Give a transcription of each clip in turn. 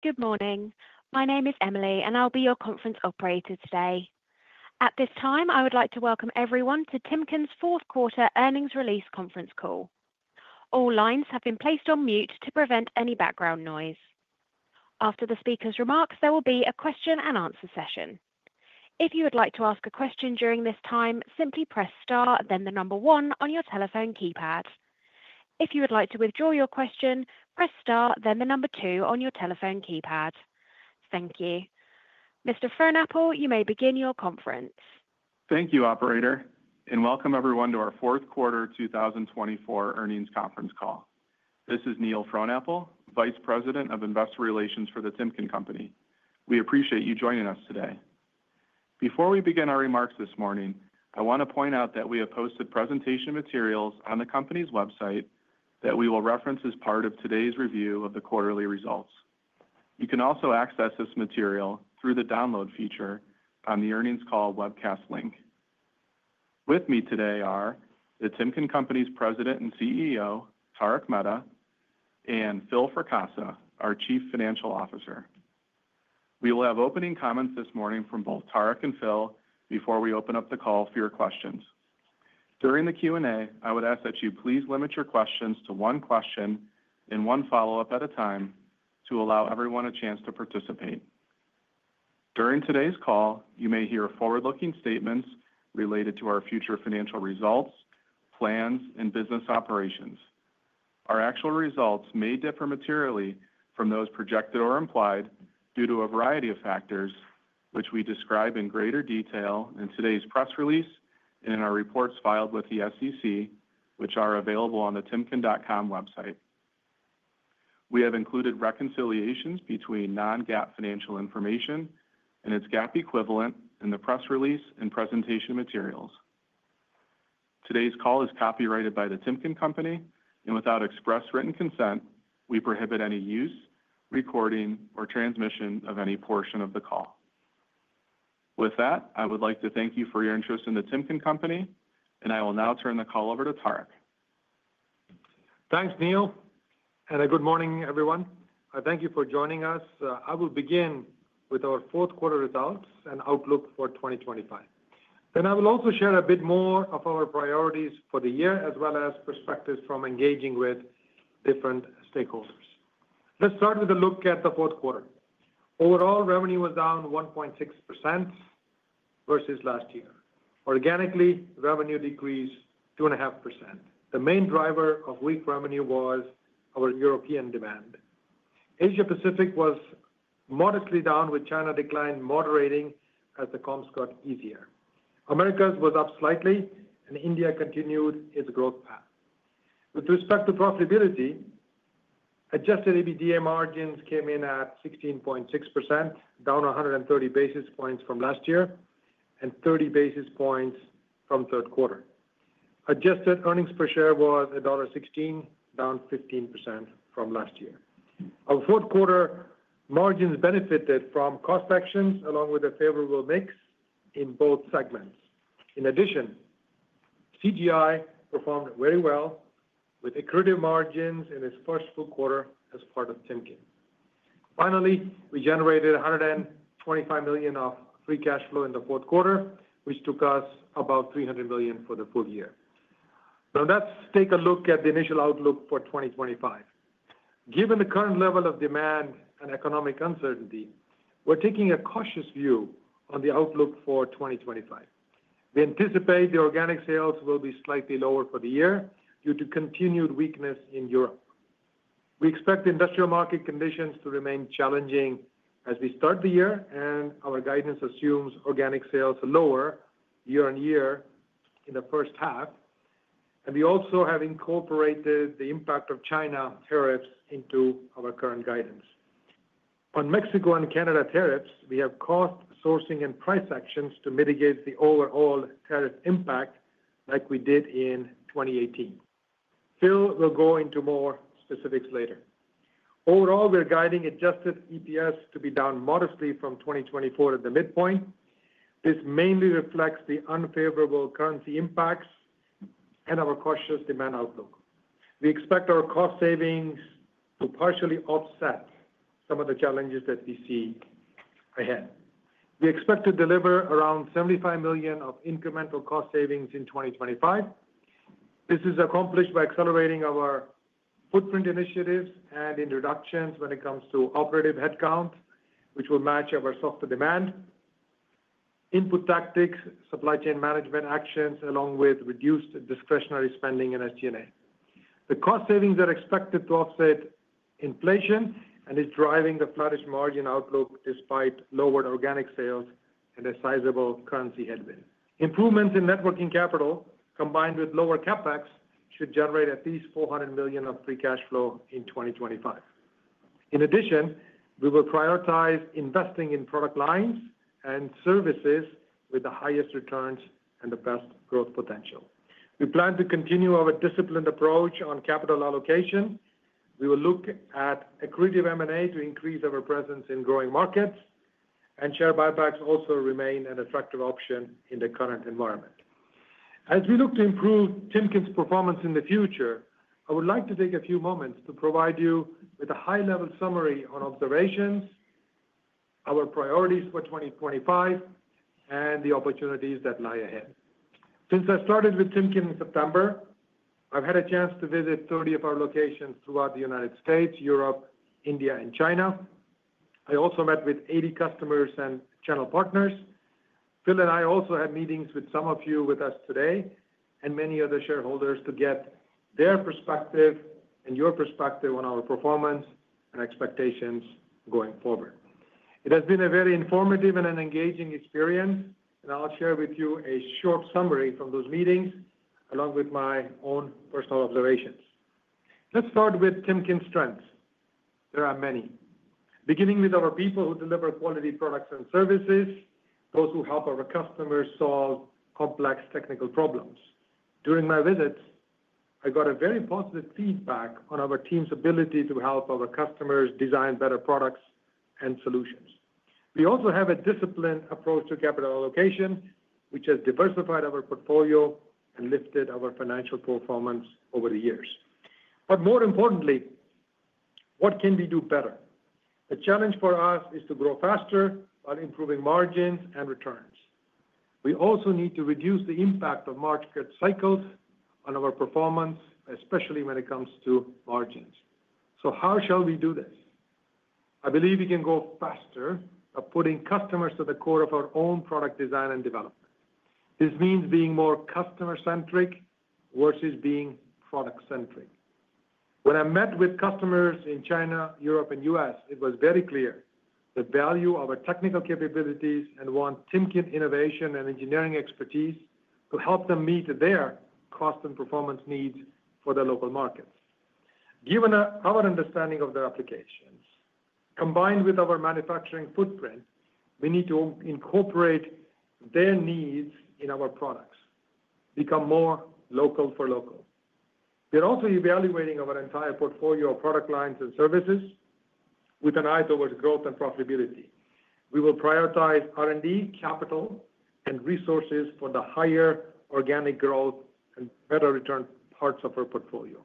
Good morning. My name is Emily, and I'll be your conference operator today. At this time, I would like to welcome everyone to Timken's Fourth Quarter Earnings Release Conference Call. All lines have been placed on mute to prevent any background noise. After the speaker's remarks, there will be a question and answer session. If you would like to ask a question during this time, simply press star, then the number one on your telephone keypad. If you would like to withdraw your question, press star, then the number two on your telephone keypad. Thank you. Mr. Frohnapple, you may begin your conference. Thank you, Operator, and welcome everyone to our Fourth Quarter 2024 Earnings conference call. This is Neil Frohnapple, Vice President of Investor Relations for the Timken Company. We appreciate you joining us today. Before we begin our remarks this morning, I want to point out that we have posted presentation materials on the company's website that we will reference as part of today's review of the quarterly results. You can also access this material through the download feature on the earnings call webcast link. With me today are the Timken Company's President and CEO, Tarak Mehta, and Phil Fracassa, our Chief Financial Officer. We will have opening comments this morning from both Tarak and Phil before we open up the call for your questions. During the Q&A, I would ask that you please limit your questions to one question and one follow-up at a time to allow everyone a chance to participate. During today's call, you may hear forward-looking statements related to our future financial results, plans, and business operations. Our actual results may differ materially from those projected or implied due to a variety of factors, which we describe in greater detail in today's press release and in our reports filed with the SEC, which are available on the Timken.com website. We have included reconciliations between non-GAAP financial information and its GAAP equivalent in the press release and presentation materials. Today's call is copyrighted by the Timken Company, and without express written consent, we prohibit any use, recording, or transmission of any portion of the call. With that, I would like to thank you for your interest in the Timken Company, and I will now turn the call over to Tarak. Thanks, Neil. Good morning, everyone. I thank you for joining us. I will begin with our fourth quarter results and outlook for 2025. Then I will also share a bit more of our priorities for the year, as well as perspectives from engaging with different stakeholders. Let's start with a look at the fourth quarter. Overall, revenue was down 1.6% versus last year. Organically, revenue decreased 2.5%. The main driver of weak revenue was our European demand. Asia-Pacific was modestly down, with China declining, moderating as the comps got easier. Americas was up slightly, and India continued its growth path. With respect to profitability, adjusted EBITDA margins came in at 16.6%, down 130 basis points from last year and 30 basis points from third quarter. Adjusted earnings per share was $1.16, down 15% from last year. Our fourth quarter margins benefited from cost actions along with a favorable mix in both segments. In addition, CGI performed very well with accretive margins in its first full quarter as part of Timken. Finally, we generated $125 million of free cash flow in the fourth quarter, which took us about $300 million for the full year. Now, let's take a look at the initial outlook for 2025. Given the current level of demand and economic uncertainty, we're taking a cautious view on the outlook for 2025. We anticipate organic sales will be slightly lower for the year due to continued weakness in Europe. We expect industrial market conditions to remain challenging as we start the year, and our guidance assumes organic sales are lower year-on-year in the first half, and we also have incorporated the impact of China tariffs into our current guidance. On Mexico and Canada tariffs, we have cost sourcing and price actions to mitigate the overall tariff impact like we did in 2018. Phil will go into more specifics later. Overall, we're guiding adjusted EPS to be down modestly from 2024 at the midpoint. This mainly reflects the unfavorable currency impacts and our cautious demand outlook. We expect our cost savings to partially offset some of the challenges that we see ahead. We expect to deliver around $75 million of incremental cost savings in 2025. This is accomplished by accelerating our footprint initiatives and reductions when it comes to operating headcount, which will match our softer demand, input costs, supply chain management actions, along with reduced discretionary spending and SG&A. The cost savings are expected to offset inflation and is driving the gross margin outlook despite lowered organic sales and a sizable currency headwind. Improvements in net working capital combined with lower CapEx should generate at least $400 million of free cash flow in 2025. In addition, we will prioritize investing in product lines and services with the highest returns and the best growth potential. We plan to continue our disciplined approach on capital allocation. We will look at accretive M&A to increase our presence in growing markets, and share buybacks also remain an attractive option in the current environment. As we look to improve Timken's performance in the future, I would like to take a few moments to provide you with a high-level summary on observations, our priorities for 2025, and the opportunities that lie ahead. Since I started with Timken in September, I've had a chance to visit 30 of our locations throughout the United States, Europe, India, and China. I also met with 80 customers and channel partners. Phil and I also had meetings with some of you with us today and many other shareholders to get their perspective and your perspective on our performance and expectations going forward. It has been a very informative and an engaging experience, and I'll share with you a short summary from those meetings along with my own personal observations. Let's start with Timken's strengths, there are many. Beginning with our people who deliver quality products and services, those who help our customers solve complex technical problems. During my visit, I got very positive feedback on our team's ability to help our customers design better products and solutions. We also have a disciplined approach to capital allocation, which has diversified our portfolio and lifted our financial performance over the years. But more importantly, what can we do better? The challenge for us is to grow faster while improving margins and returns. We also need to reduce the impact of market cycles on our performance, especially when it comes to margins. So how shall we do this? I believe we can go faster by putting customers at the core of our own product design and development. This means being more customer-centric versus being product-centric. When I met with customers in China, Europe, and U.S., it was very clear the value of our technical capabilities and want Timken innovation and engineering expertise to help them meet their cost and performance needs for the local markets. Given our understanding of their applications, combined with our manufacturing footprint, we need to incorporate their needs in our products, become more local for local. We're also evaluating our entire portfolio of product lines and services with an eye towards growth and profitability. We will prioritize R&D, capital, and resources for the higher organic growth and better return parts of our portfolio.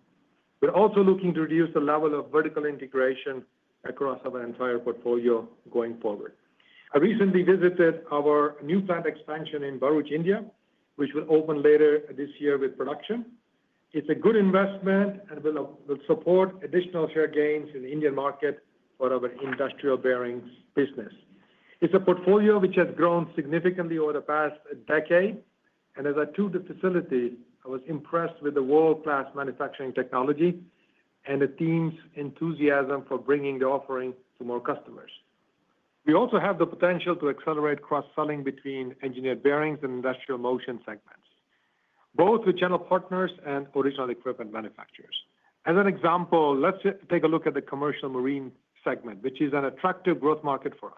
We're also looking to reduce the level of vertical integration across our entire portfolio going forward. I recently visited our new plant expansion in Bharuch, India, which will open later this year with production. It's a good investment and will support additional share gains in the Indian market for our industrial bearings business. It's a portfolio which has grown significantly over the past decade, and as I toured the facility, I was impressed with the world-class manufacturing technology and the team's enthusiasm for bringing the offering to more customers. We also have the potential to accelerate cross-selling between engineered bearings and industrial motion segments, both with channel partners and original equipment manufacturers. As an example, let's take a look at the commercial marine segment, which is an attractive growth market for us.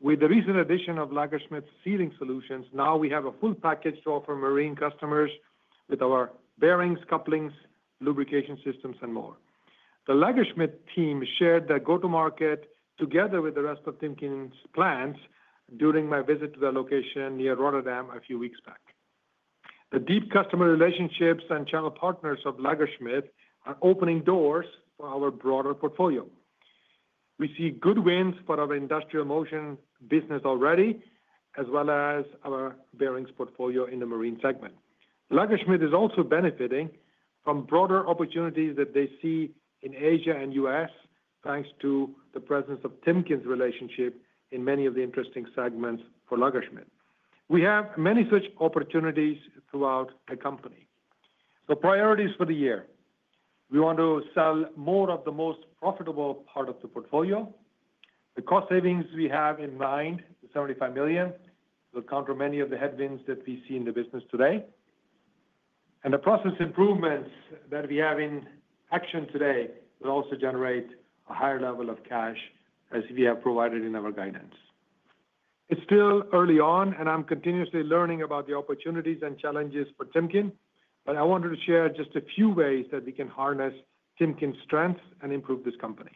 With the recent addition of Lagersmit Sealing Solutions, now we have a full package to offer marine customers with our bearings, couplings, lubrication systems, and more. The Lagersmit team shared their go-to-market together with the rest of Timken's plants during my visit to their location near Rotterdam a few weeks back. The deep customer relationships and channel partners of Lagersmit are opening doors for our broader portfolio. We see good wins for our Industrial Motion business already, as well as our bearings portfolio in the marine segment. Lagersmit is also benefiting from broader opportunities that they see in Asia and U.S., thanks to the presence of Timken's relationship in many of the interesting segments for Lagersmit. We have many such opportunities throughout the company, so priorities for the year, we want to sell more of the most profitable part of the portfolio. The cost savings we have in mind, $75 million, will counter many of the headwinds that we see in the business today. The process improvements that we have in action today will also generate a higher level of cash as we have provided in our guidance. It's still early on, and I'm continuously learning about the opportunities and challenges for Timken, but I wanted to share just a few ways that we can harness Timken's strengths and improve this company.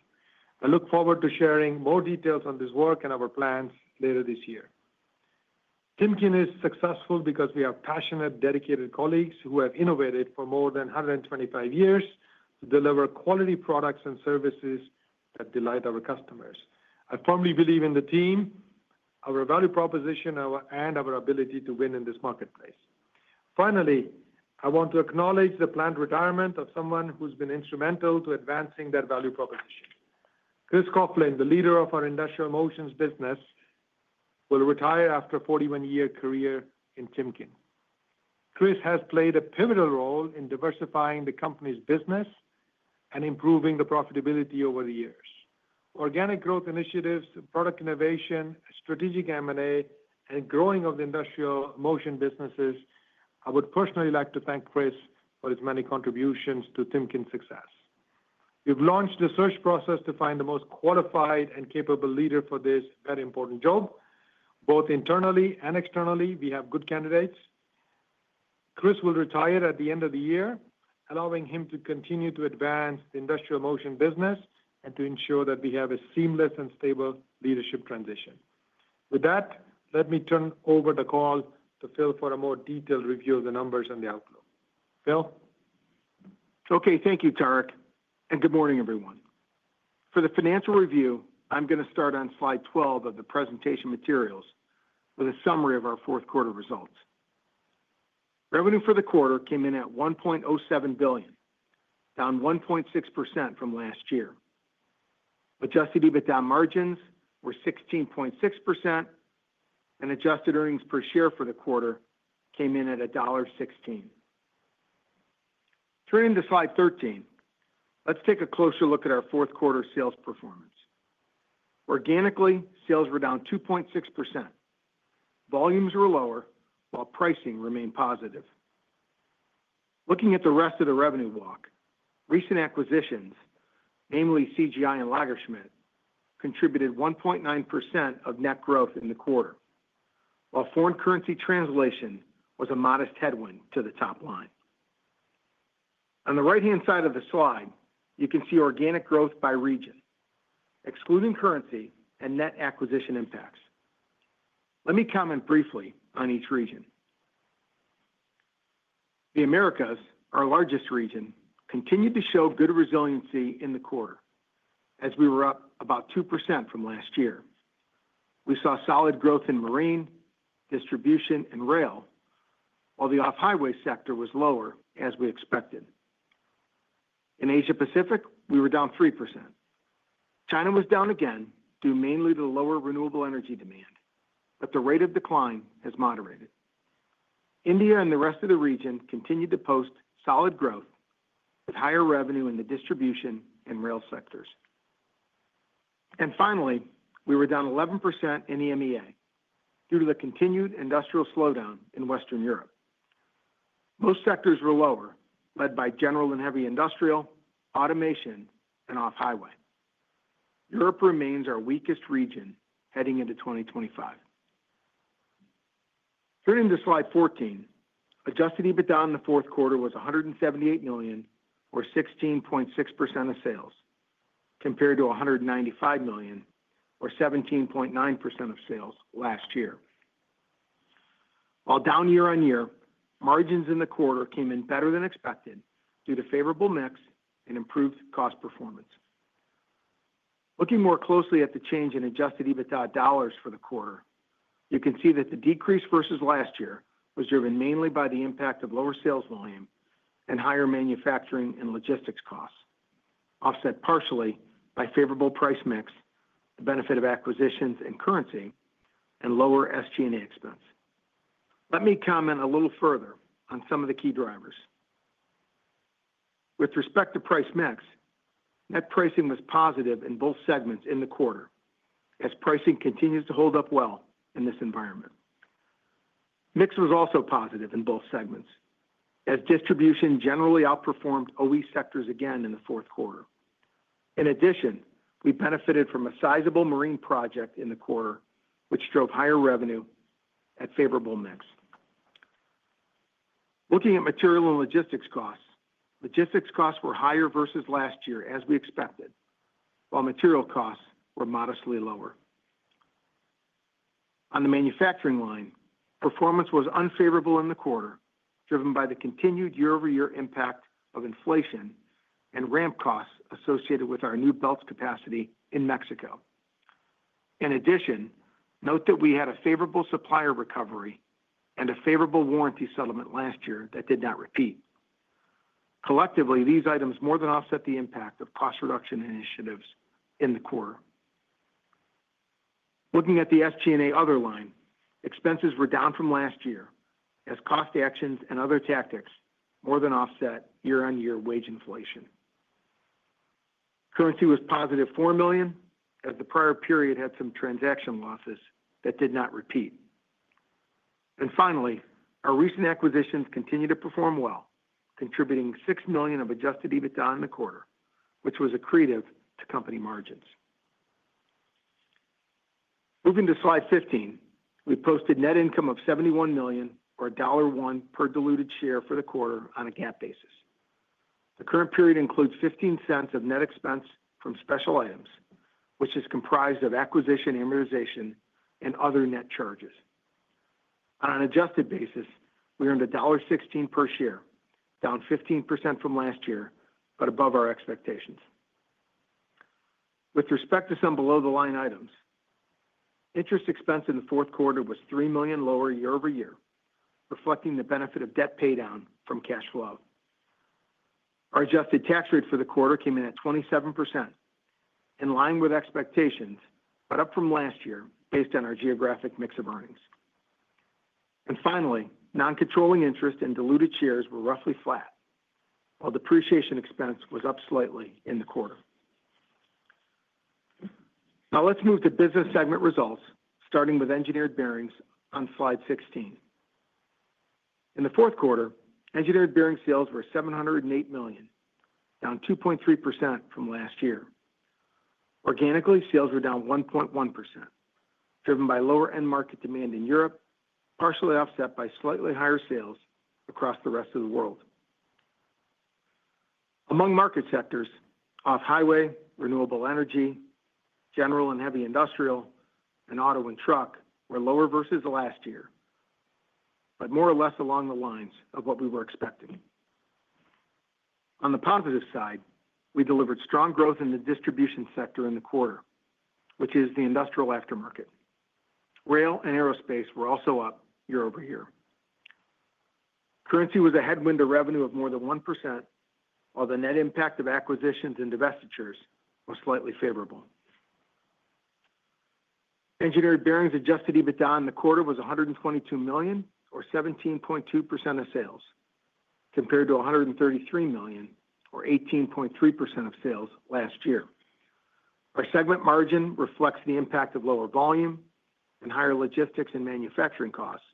I look forward to sharing more details on this work and our plans later this year. Timken is successful because we have passionate, dedicated colleagues who have innovated for more than 125 years to deliver quality products and services that delight our customers. I firmly believe in the team, our value proposition, and our ability to win in this marketplace. Finally, I want to acknowledge the planned retirement of someone who's been instrumental to advancing that value proposition. Chris Coughlin, the leader of our Industrial Motion's business, will retire after a 41-year career in Timken. Chris has played a pivotal role in diversifying the company's business and improving the profitability over the years. Organic growth initiatives, product innovation, strategic M&A, and growing of the Industrial Motion businesses. I would personally like to thank Chris for his many contributions to Timken's success. We've launched the search process to find the most qualified and capable leader for this very important job. Both internally and externally, we have good candidates. Chris will retire at the end of the year, allowing him to continue to advance the Industrial Motion business and to ensure that we have a seamless and stable leadership transition. With that, let me turn over the call to Phil for a more detailed review of the numbers and the outlook. Phil? Okay. Thank you, Tarak, and good morning, everyone. For the financial review, I'm going to start on slide 12 of the presentation materials with a summary of our fourth quarter results. Revenue for the quarter came in at $1.07 billion, down 1.6% from last year. Adjusted EBITDA margins were 16.6%, and adjusted earnings per share for the quarter came in at $1.16. Turning to slide 13, let's take a closer look at our fourth quarter sales performance. Organically, sales were down 2.6%. Volumes were lower, while pricing remained positive. Looking at the rest of the revenue walk, recent acquisitions, namely CGI and Lagersmit, contributed 1.9% of net growth in the quarter, while foreign currency translation was a modest headwind to the top line. On the right-hand side of the slide, you can see organic growth by region, excluding currency and net acquisition impacts. Let me comment briefly on each region. The Americas, our largest region, continued to show good resiliency in the quarter, as we were up about 2% from last year. We saw solid growth in marine, distribution, and rail, while the off-highway sector was lower, as we expected. In Asia-Pacific, we were down 3%. China was down again due mainly to lower renewable energy demand, but the rate of decline has moderated. India and the rest of the region continued to post solid growth, with higher revenue in the distribution and rail sectors. Finally, we were down 11% in EMEA due to the continued industrial slowdown in Western Europe. Most sectors were lower, led by general and heavy industrial, automation, and off-highway. Europe remains our weakest region heading into 2025. Turning to slide 14, Adjusted EBITDA in the fourth quarter was $178 million, or 16.6% of sales, compared to $195 million, or 17.9% of sales last year. While down year-on-year, margins in the quarter came in better than expected due to favorable mix and improved cost performance. Looking more closely at the change in Adjusted EBITDA dollars for the quarter, you can see that the decrease versus last year was driven mainly by the impact of lower sales volume and higher manufacturing and logistics costs, offset partially by favorable price mix, the benefit of acquisitions and currency, and lower SG&A expense. Let me comment a little further on some of the key drivers. With respect to price mix, net pricing was positive in both segments in the quarter, as pricing continues to hold up well in this environment. Mix was also positive in both segments, as distribution generally outperformed OE sectors again in the fourth quarter. In addition, we benefited from a sizable marine project in the quarter, which drove higher revenue at favorable mix. Looking at material and logistics costs, logistics costs were higher versus last year, as we expected, while material costs were modestly lower. On the manufacturing line, performance was unfavorable in the quarter, driven by the continued year-over-year impact of inflation and ramp costs associated with our new capacity in Mexico. In addition, note that we had a favorable supplier recovery and a favorable warranty settlement last year that did not repeat. Collectively, these items more than offset the impact of cost reduction initiatives in the quarter. Looking at the SG&A other line, expenses were down from last year, as cost actions and other tactics more than offset year-on-year wage inflation. Currency was positive $4 million, as the prior period had some transaction losses that did not repeat. Finally, our recent acquisitions continued to perform well, contributing $6 million of adjusted EBITDA in the quarter, which was accretive to company margins. Moving to slide 15, we posted net income of $71 million, or $1 per diluted share for the quarter, on a GAAP basis. The current period includes $0.15 of net expense from special items, which is comprised of acquisition, amortization, and other net charges. On an adjusted basis, we earned $1.16 per share, down 15% from last year, but above our expectations. With respect to some below-the-line items, interest expense in the fourth quarter was $3 million lower year-over-year, reflecting the benefit of debt paydown from cash flow. Our adjusted tax rate for the quarter came in at 27%, in line with expectations, but up from last year based on our geographic mix of earnings. Finally, non-controlling interest and diluted shares were roughly flat, while depreciation expense was up slightly in the quarter. Now let's move to business segment results, starting with Engineered Bearings on slide 16. In the fourth quarter, Engineered Bearings sales were $708 million, down 2.3% from last year. Organically, sales were down 1.1%, driven by lower-end market demand in Europe, partially offset by slightly higher sales across the rest of the world. Among market sectors, off-highway, renewable energy, general and heavy industrial, and auto and truck were lower versus last year, but more or less along the lines of what we were expecting. On the positive side, we delivered strong growth in the distribution sector in the quarter, which is the industrial aftermarket. Rail and aerospace were also up year-over-year. Currency was a headwind to revenue of more than 1%, while the net impact of acquisitions and divestitures was slightly favorable. Engineered Bearings Adjusted EBITDA in the quarter was $122 million, or 17.2% of sales, compared to $133 million, or 18.3% of sales last year. Our segment margin reflects the impact of lower volume and higher logistics and manufacturing costs,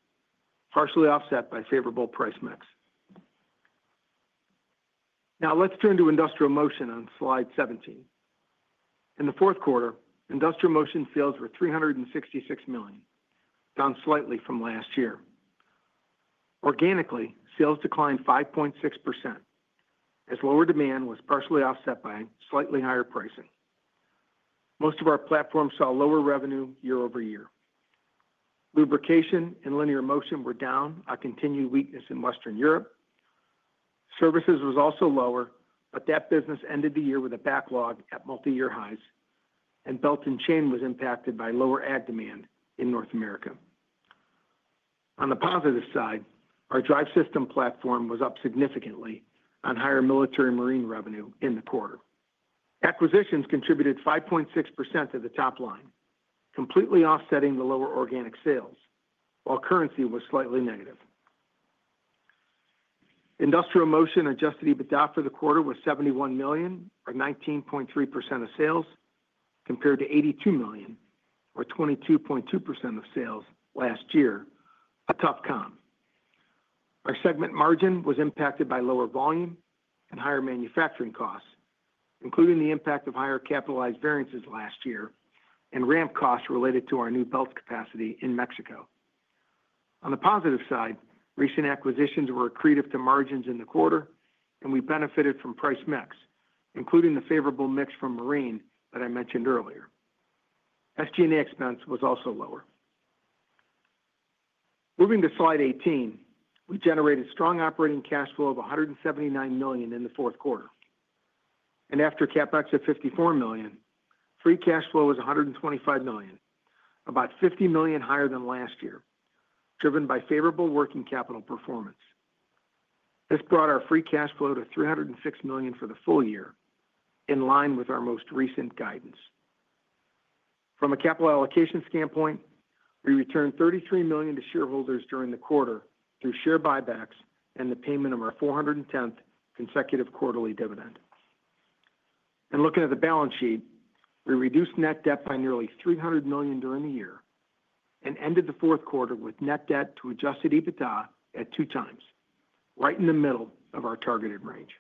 partially offset by favorable price mix. Now let's turn to Industrial Motion on slide 17. In the fourth quarter, Industrial Motion sales were $366 million, down slightly from last year. Organically, sales declined 5.6%, as lower demand was partially offset by slightly higher pricing. Most of our platforms saw lower revenue year-over-year. Lubrication and Linear Motion were down, a continued weakness in Western Europe. Services was also lower, but that business ended the year with a backlog at multi-year highs, and belt and chain was impacted by lower ag demand in North America. On the positive side, our Drive Systems platform was up significantly on higher military marine revenue in the quarter. Acquisitions contributed 5.6% to the top line, completely offsetting the lower organic sales, while currency was slightly negative. Industrial Motion Adjusted EBITDA for the quarter was $71 million, or 19.3% of sales, compared to $82 million, or 22.2% of sales last year, a tough comp. Our segment margin was impacted by lower volume and higher manufacturing costs, including the impact of higher capitalized variances last year and ramp costs related to our new belt capacity in Mexico. On the positive side, recent acquisitions were accretive to margins in the quarter, and we benefited from price mix, including the favorable mix from marine that I mentioned earlier. SG&A expense was also lower. Moving to slide 18, we generated strong operating cash flow of $179 million in the fourth quarter, and after CapEx of $54 million, free cash flow was $125 million, about $50 million higher than last year, driven by favorable working capital performance. This brought our free cash flow to $306 million for the full year, in line with our most recent guidance. From a capital allocation standpoint, we returned $33 million to shareholders during the quarter through share buybacks and the payment of our 410th consecutive quarterly dividend. Looking at the balance sheet, we reduced net debt by nearly $300 million during the year and ended the fourth quarter with net debt to Adjusted EBITDA at two times, right in the middle of our targeted range.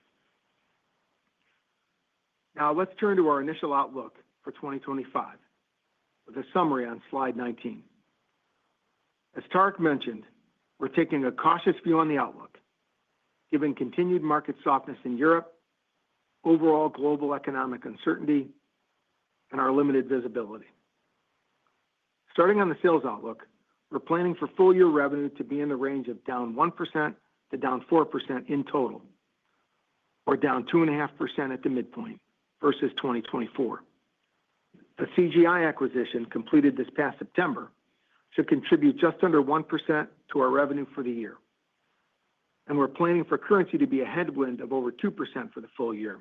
Now let's turn to our initial outlook for 2025, with a summary on slide 19. As Tarak mentioned, we're taking a cautious view on the outlook, given continued market softness in Europe, overall global economic uncertainty, and our limited visibility. Starting on the sales outlook, we're planning for full-year revenue to be in the range of down 1% to down 4% in total, or down 2.5% at the midpoint versus 2024. The CGI acquisition completed this past September should contribute just under 1% to our revenue for the year. We're planning for currency to be a headwind of over 2% for the full year,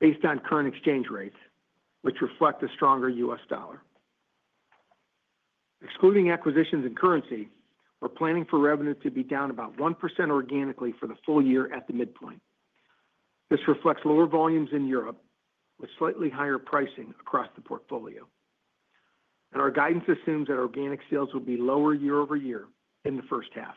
based on current exchange rates, which reflect a stronger U.S. dollar. Excluding acquisitions and currency, we're planning for revenue to be down about 1% organically for the full year at the midpoint. This reflects lower volumes in Europe, with slightly higher pricing across the portfolio. Our guidance assumes that organic sales will be lower year-over-year in the first half.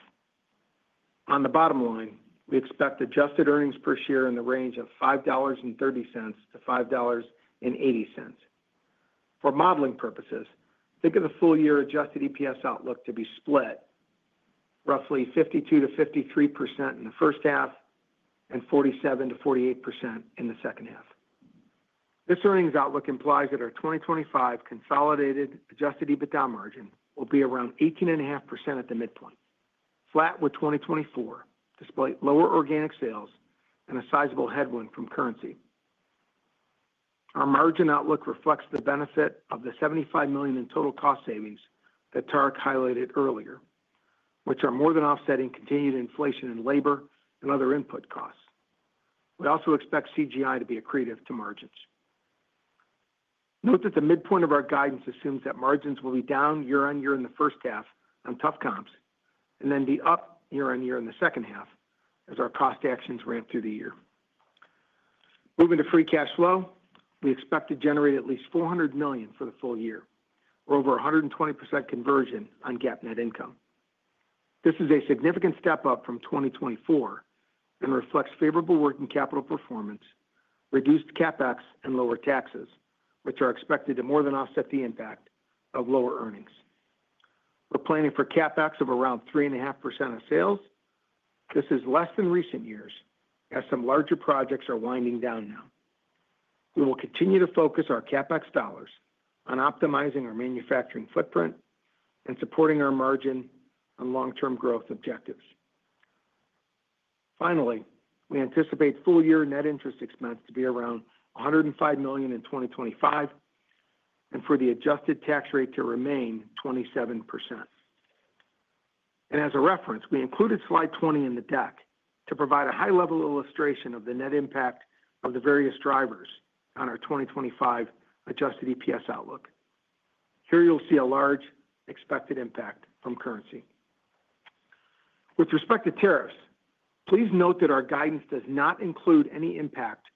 On the bottom line, we expect adjusted earnings per share in the range of $5.30-$5.80. For modeling purposes, think of the full-year adjusted EPS outlook to be split roughly 52%-53% in the first half and 47%-48% in the second half. This earnings outlook implies that our 2025 consolidated Adjusted EBITDA margin will be around 18.5% at the midpoint, flat with 2024, despite lower organic sales and a sizable headwind from currency. Our margin outlook reflects the benefit of the $75 million in total cost savings that Tarak highlighted earlier, which are more than offsetting continued inflation in labor and other input costs. We also expect CGI to be accretive to margins. Note that the midpoint of our guidance assumes that margins will be down year-on-year in the first half on tough comps and then be up year-on-year in the second half as our cost actions ramp through the year. Moving to free cash flow, we expect to generate at least $400 million for the full year, or over 120% conversion on GAAP net income. This is a significant step up from 2024 and reflects favorable working capital performance, reduced CapEx, and lower taxes, which are expected to more than offset the impact of lower earnings. We're planning for CapEx of around 3.5% of sales. This is less than recent years, as some larger projects are winding down now. We will continue to focus our CapEx dollars on optimizing our manufacturing footprint and supporting our margin and long-term growth objectives. Finally, we anticipate full-year net interest expense to be around $105 million in 2025 and for the adjusted tax rate to remain 27%. And as a reference, we included slide 20 in the deck to provide a high-level illustration of the net impact of the various drivers on our 2025 adjusted EPS outlook. Here you'll see a large expected impact from currency. With respect to tariffs, please note that our guidance does not include any impact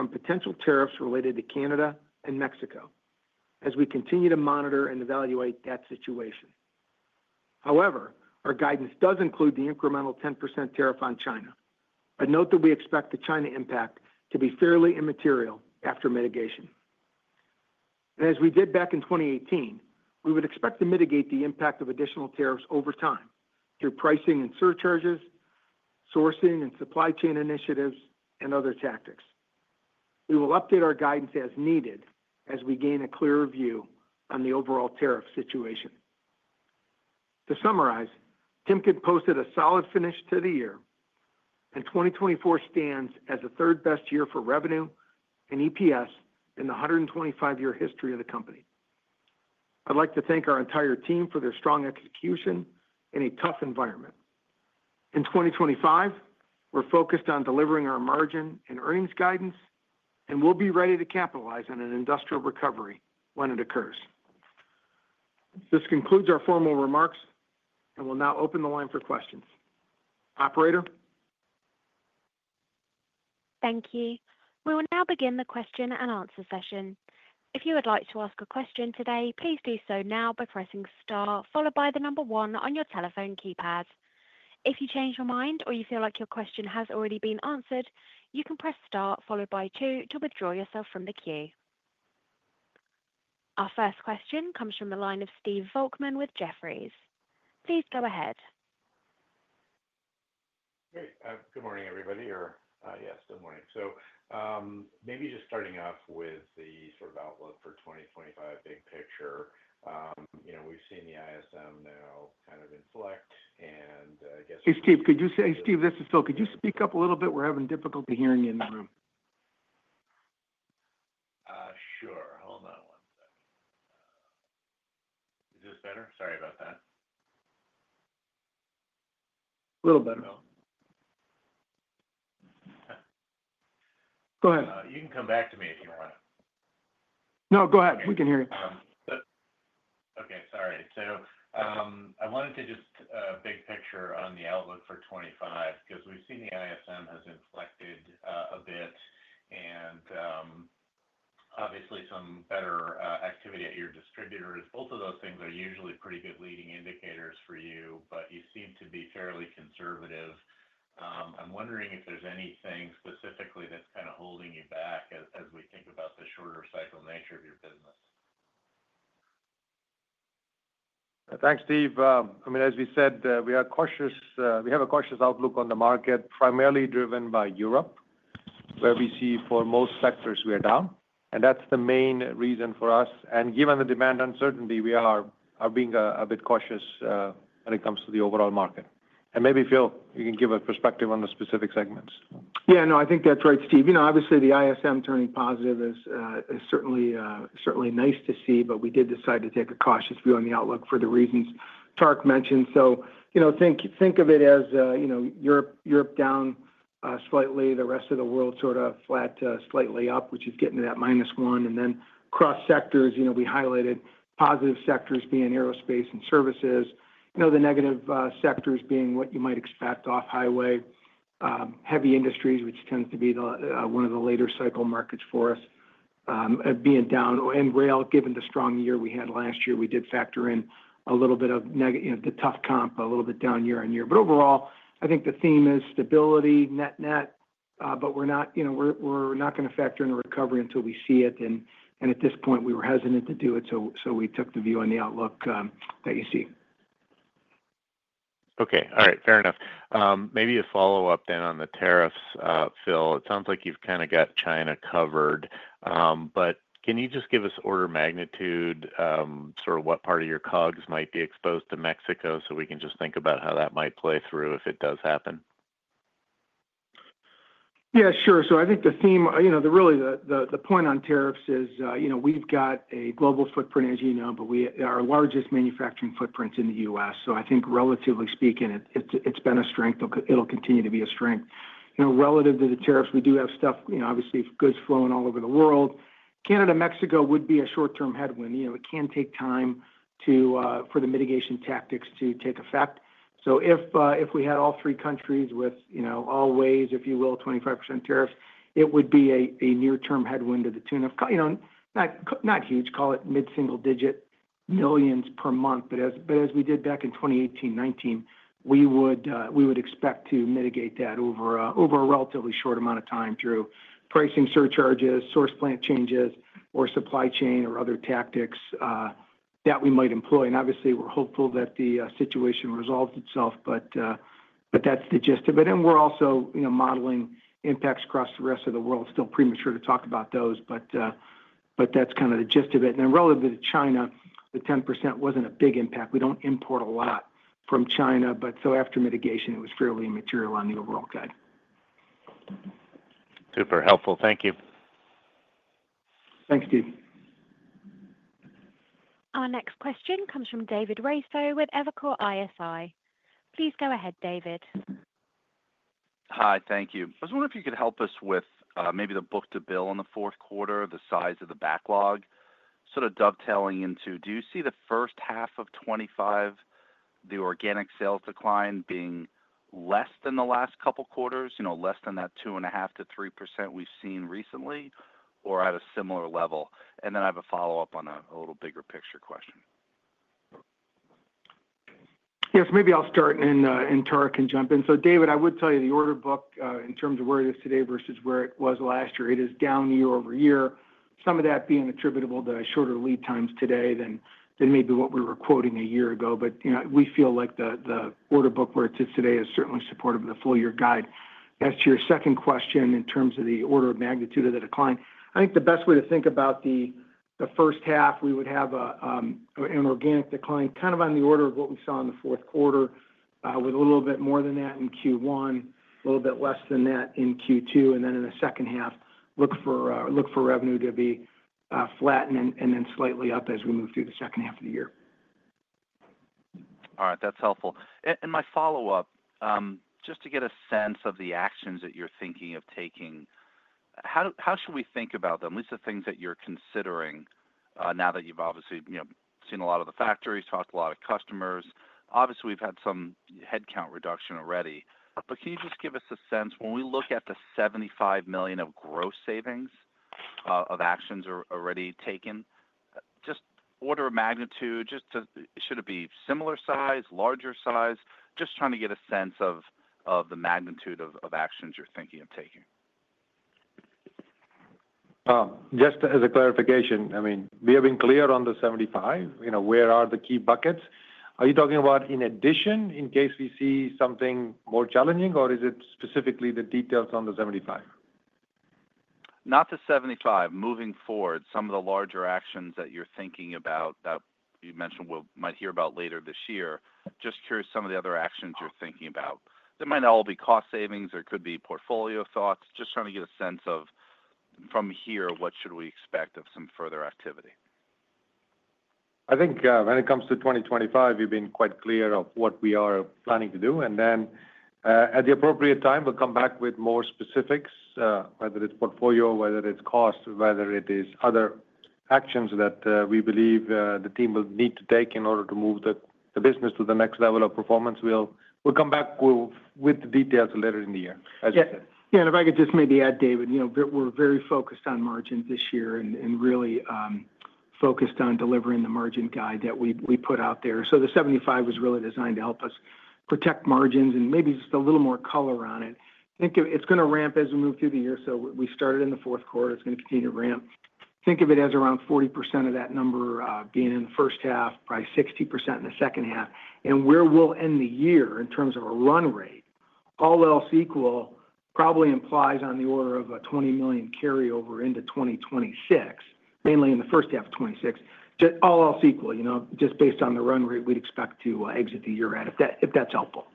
from potential tariffs related to Canada and Mexico, as we continue to monitor and evaluate that situation. However, our guidance does include the incremental 10% tariff on China, but note that we expect the China impact to be fairly immaterial after mitigation, and as we did back in 2018, we would expect to mitigate the impact of additional tariffs over time through pricing and surcharges, sourcing and supply chain initiatives, and other tactics. We will update our guidance as needed as we gain a clearer view on the overall tariff situation. To summarize, Timken posted a solid finish to the year, and 2024 stands as the third best year for revenue and EPS in the 125-year history of the company. I'd like to thank our entire team for their strong execution in a tough environment. In 2025, we're focused on delivering our margin and earnings guidance, and we'll be ready to capitalize on an industrial recovery when it occurs. This concludes our formal remarks, and we'll now open the line for questions. Operator. Thank you. We will now begin the question and answer session. If you would like to ask a question today, please do so now by pressing star, followed by the number one on your telephone keypad. If you change your mind or you feel like your question has already been answered, you can press star, followed by two, to withdraw yourself from the queue. Our first question comes from the line of Steve Volkmann with Jefferies. Please go ahead. Hey, good morning, everybody. Or yes, good morning. So maybe just starting off with the sort of outlook for 2025, big picture. We've seen the ISM now kind of inflect, and I guess. Hey, Steve, could you say, "Steve, this is Phil." Could you speak up a little bit? We're having difficulty hearing you in the room. Sure. Hold on one second. Is this better? Sorry about that. A little better now. Go ahead. You can come back to me if you want. No, go ahead. We can hear you. Okay, sorry. So I wanted to just big picture on the outlook for 2025 because we've seen the ISM has inflected a bit and obviously some better activity at your distributors. Both of those things are usually pretty good leading indicators for you, but you seem to be fairly conservative. I'm wondering if there's anything specifically that's kind of holding you back as we think about the shorter cycle nature of your business. Thanks, Steve. I mean, as we said, we have a cautious outlook on the market, primarily driven by Europe, where we see for most sectors we are down. And that's the main reason for us. And given the demand uncertainty, we are being a bit cautious when it comes to the overall market. And maybe, Phil, you can give a perspective on the specific segments. Yeah, no, I think that's right, Steve. Obviously, the ISM turning positive is certainly nice to see, but we did decide to take a cautious view on the outlook for the reasons Tarak mentioned. So think of it as Europe down slightly, the rest of the world sort of flat slightly up, which is getting to that minus one. And then across sectors, we highlighted positive sectors being aerospace and services, the negative sectors being what you might expect off-highway, heavy industries, which tends to be one of the latter-cycle markets for us, being down. And rail, given the strong year we had last year, we did factor in a little bit of the tough comp, a little bit down year-on-year. But overall, I think the theme is stability, net-net, but we're not going to factor in a recovery until we see it. And at this point, we were hesitant to do it, so we took the view on the outlook that you see. Okay. All right. Fair enough. Maybe a follow-up then on the tariffs, Phil. It sounds like you've kind of got China covered, but can you just give us order of magnitude sort of what part of your COGS might be exposed to Mexico so we can just think about how that might play through if it does happen? Yeah, sure. So I think the theme, really the point on tariffs is we've got a global footprint, as you know, but our largest manufacturing footprint's in the U.S. So I think, relatively speaking, it's been a strength. It'll continue to be a strength. Relative to the tariffs, we do have stuff, obviously, goods flowing all over the world. Canada and Mexico would be a short-term headwind. It can take time for the mitigation tactics to take effect. If we had all three countries with all ways, if you will, 25% tariffs, it would be a near-term headwind to the tune of not huge, call it mid-single-digit millions per month. But as we did back in 2018, 2019, we would expect to mitigate that over a relatively short amount of time through pricing surcharges, source plant changes, or supply chain or other tactics that we might employ. And obviously, we're hopeful that the situation resolves itself, but that's the gist of it. And we're also modeling impacts across the rest of the world. It's still premature to talk about those, but that's kind of the gist of it. And then relative to China, the 10% wasn't a big impact. We don't import a lot from China, but so after mitigation, it was fairly immaterial on the overall guide. Super helpful. Thank you. Thanks, Steve. Our next question comes from David Raso with Evercore ISI. Please go ahead, David. Hi, thank you. I was wondering if you could help us with maybe the book-to-bill on the fourth quarter, the size of the backlog, sort of dovetailing into do you see the first half of 2025, the organic sales decline being less than the last couple of quarters, less than that 2.5%-3% we've seen recently, or at a similar level? And then I have a follow-up on a little bigger picture question. Yes, maybe I'll start, and Tarak can jump in. So David, I would tell you the order book in terms of where it is today versus where it was last year, it is down year-over-year, some of that being attributable to shorter lead times today than maybe what we were quoting a year ago. But we feel like the order book where it sits today is certainly supportive of the full-year guide. As to your second question in terms of the order of magnitude of the decline, I think the best way to think about the first half, we would have an organic decline kind of on the order of what we saw in the fourth quarter, with a little bit more than that in Q1, a little bit less than that in Q2, and then in the second half, look for revenue to be flattened and then slightly up as we move through the second half of the year. All right. That's helpful. And my follow-up, just to get a sense of the actions that you're thinking of taking, how should we think about them, at least the things that you're considering now that you've obviously seen a lot of the factories, talked to a lot of customers? Obviously, we've had some headcount reduction already, but can you just give us a sense when we look at the $75 million of gross savings of actions already taken, just order of magnitude, should it be similar size, larger size, just trying to get a sense of the magnitude of actions you're thinking of taking? Just as a clarification, I mean, we have been clear on the 75. Where are the key buckets? Are you talking about in addition, in case we see something more challenging, or is it specifically the details on the 75? Not the 75. Moving forward, some of the larger actions that you're thinking about that you mentioned we might hear about later this year. Just curious, some of the other actions you're thinking about. They might not all be cost savings. There could be portfolio thoughts. Just trying to get a sense of, from here, what should we expect of some further activity? I think when it comes to 2025, you've been quite clear of what we are planning to do. And then at the appropriate time, we'll come back with more specifics, whether it's portfolio, whether it's cost, whether it is other actions that we believe the team will need to take in order to move the business to the next level of performance. We'll come back with the details later in the year, as you said. Yeah. If I could just maybe add, David, we're very focused on margins this year and really focused on delivering the margin guide that we put out there. So the 75 was really designed to help us protect margins and maybe just a little more color on it. Think of it's going to ramp as we move through the year. So we started in the fourth quarter. It's going to continue to ramp. Think of it as around 40% of that number being in the first half, probably 60% in the second half. And where we'll end the year in terms of a run rate, all else equal, probably implies on the order of a $20 million carryover into 2026, mainly in the first half of 2026. All else equal, just based on the run rate, we'd expect to exit the year at, if that's helpful.